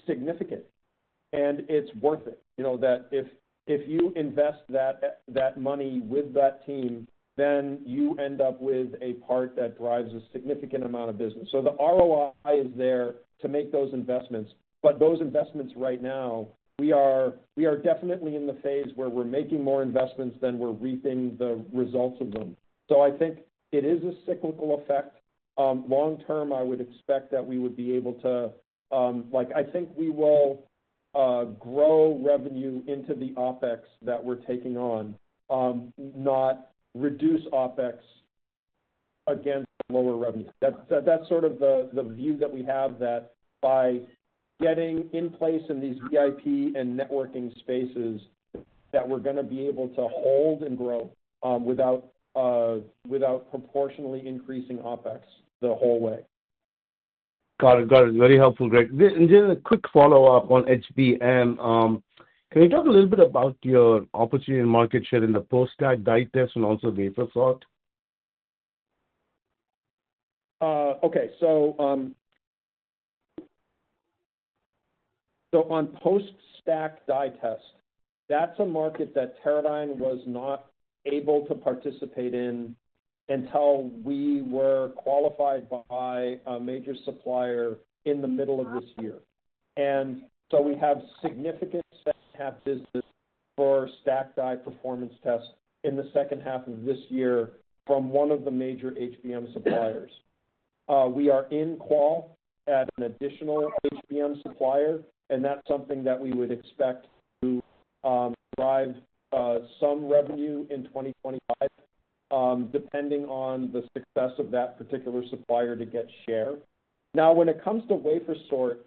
significant, and it's worth it. You know, that if you invest that money with that team, then you end up with a part that drives a significant amount of business. So the ROI is there to make those investments, but those investments right now, we are definitely in the phase where we're making more investments than we're reaping the results of them. So I think it is a cyclical effect. Long term, I would expect that we would be able to, like, I think we will grow revenue into the OpEx that we're taking on, not reduce OpEx against lower revenue. That's sort of the view that we have, that by getting in place in these VIP and networking spaces, that we're going to be able to hold and grow, without without proportionally increasing OpEx the whole way. Got it. Got it. Very helpful, Greg. Then, and then a quick follow-up on HBM. Can you talk a little bit about your opportunity and market share in the post-stacked die test and also wafer sort? Okay. So on post-stacked die test, that's a market that Teradyne was not able to participate in until we were qualified by a major supplier in the middle of this year. So we have significant second half business for stacked die performance test in the second half of this year from one of the major HBM suppliers. We are in qual at an additional HBM supplier, and that's something that we would expect to drive some revenue in 2025, depending on the success of that particular supplier to get share. Now, when it comes to wafer sort,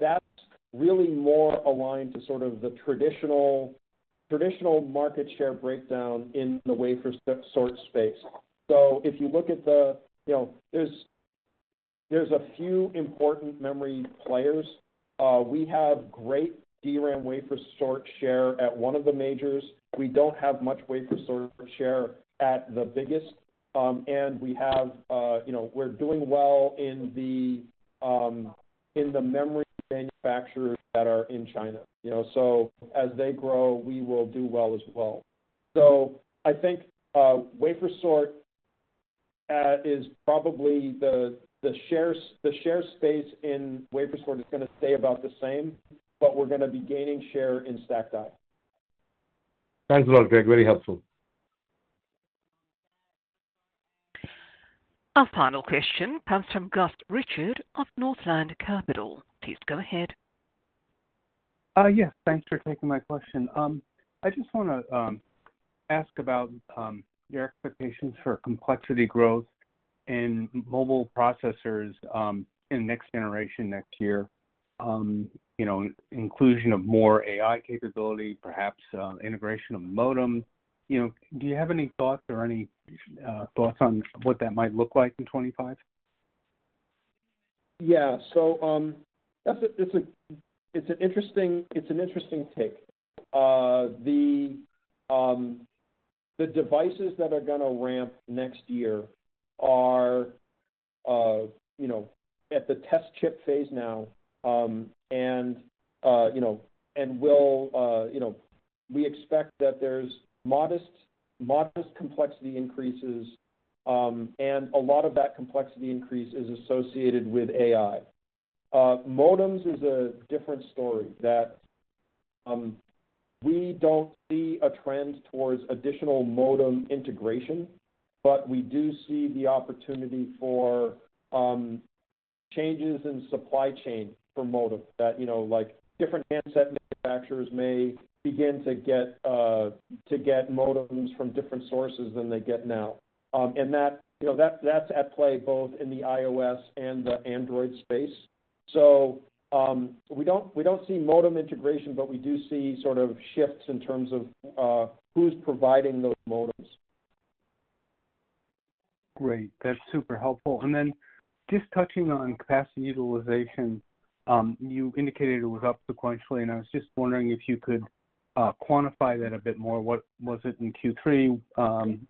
that's really more aligned to sort of the traditional market share breakdown in the wafer sort space. So if you look at the... You know, there's a few important memory players. We have great DRAM wafer sort share at one of the majors. We don't have much wafer sort share at the biggest. And we have, you know, we're doing well in the memory manufacturers that are in China, you know. So as they grow, we will do well as well. So I think wafer sort is probably the share space in wafer sort is going to stay about the same, but we're going to be gaining share in stacked die. Thanks a lot, Greg. Very helpful. Our final question comes from Gus Richard of Northland Capital Markets. Please go ahead. Yes, thanks for taking my question. I just want to ask about your expectations for complexity growth in mobile processors, in next generation, next year. You know, inclusion of more AI capability, perhaps, integration of modem. You know, do you have any thoughts on what that might look like in 2025? Yeah. That's an interesting take. The devices that are going to ramp next year are, you know, at the test chip phase now, and we expect that there's modest complexity increases, and a lot of that complexity increase is associated with AI. Modems is a different story. We don't see a trend towards additional modem integration, but we do see the opportunity for changes in supply chain for modem that, you know, like different handset manufacturers may begin to get modems from different sources than they get now. And that, you know, that's at play both in the iOS and the Android space. We don't see modem integration, but we do see sort of shifts in terms of who's providing those modems. Great, that's super helpful. And then just touching on capacity utilization, you indicated it was up sequentially, and I was just wondering if you could quantify that a bit more. What was it in Q3?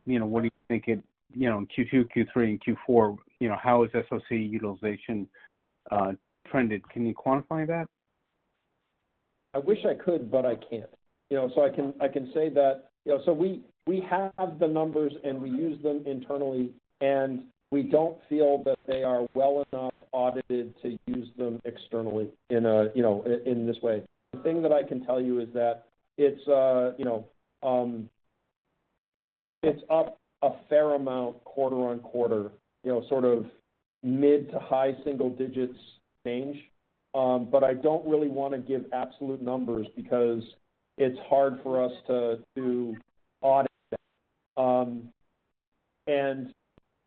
You know, what do you think it, you know, in Q2, Q3, and Q4, you know, how has SoC utilization trended? Can you quantify that? I wish I could, but I can't. You know, so I can say that, you know, so we have the numbers, and we use them internally, and we don't feel that they are well enough audited to use them externally in a, you know, in this way. The thing that I can tell you is that it's, you know, it's up a fair amount quarter on quarter, you know, sort of mid to high single digits range. But I don't really want to give absolute numbers because it's hard for us to do audit, and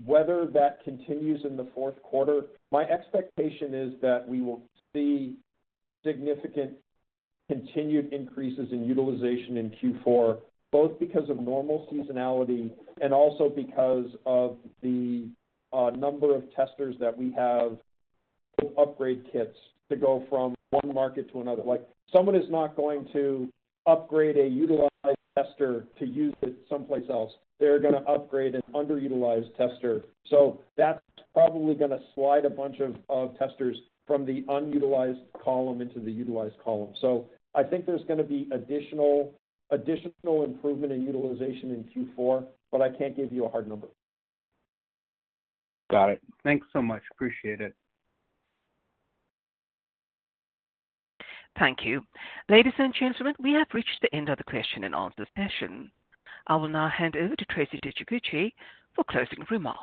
whether that continues in the fourth quarter, my expectation is that we will see significant continued increases in utilization in Q4, both because of normal seasonality and also because of the number of testers that we have to upgrade kits to go from one market to another. Like, someone is not going to upgrade a utilized tester to use it someplace else. They're gonna upgrade an underutilized tester. So that's probably gonna slide a bunch of, of testers from the unutilized column into the utilized column. So I think there's gonna be additional, additional improvement in utilization in Q4, but I can't give you a hard number. Got it. Thanks so much. Appreciate it. Thank you. Ladies and gentlemen, we have reached the end of the question and answer session. I will now hand over to Traci Tsuchiguchi for closing remarks.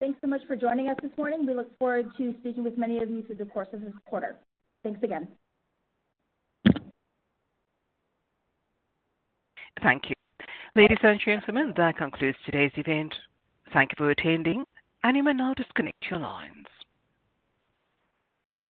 Thanks so much for joining us this morning. We look forward to speaking with many of you through the course of this quarter. Thanks again. Thank you. Ladies and gentlemen, that concludes today's event. Thank you for attending, and you may now disconnect your lines.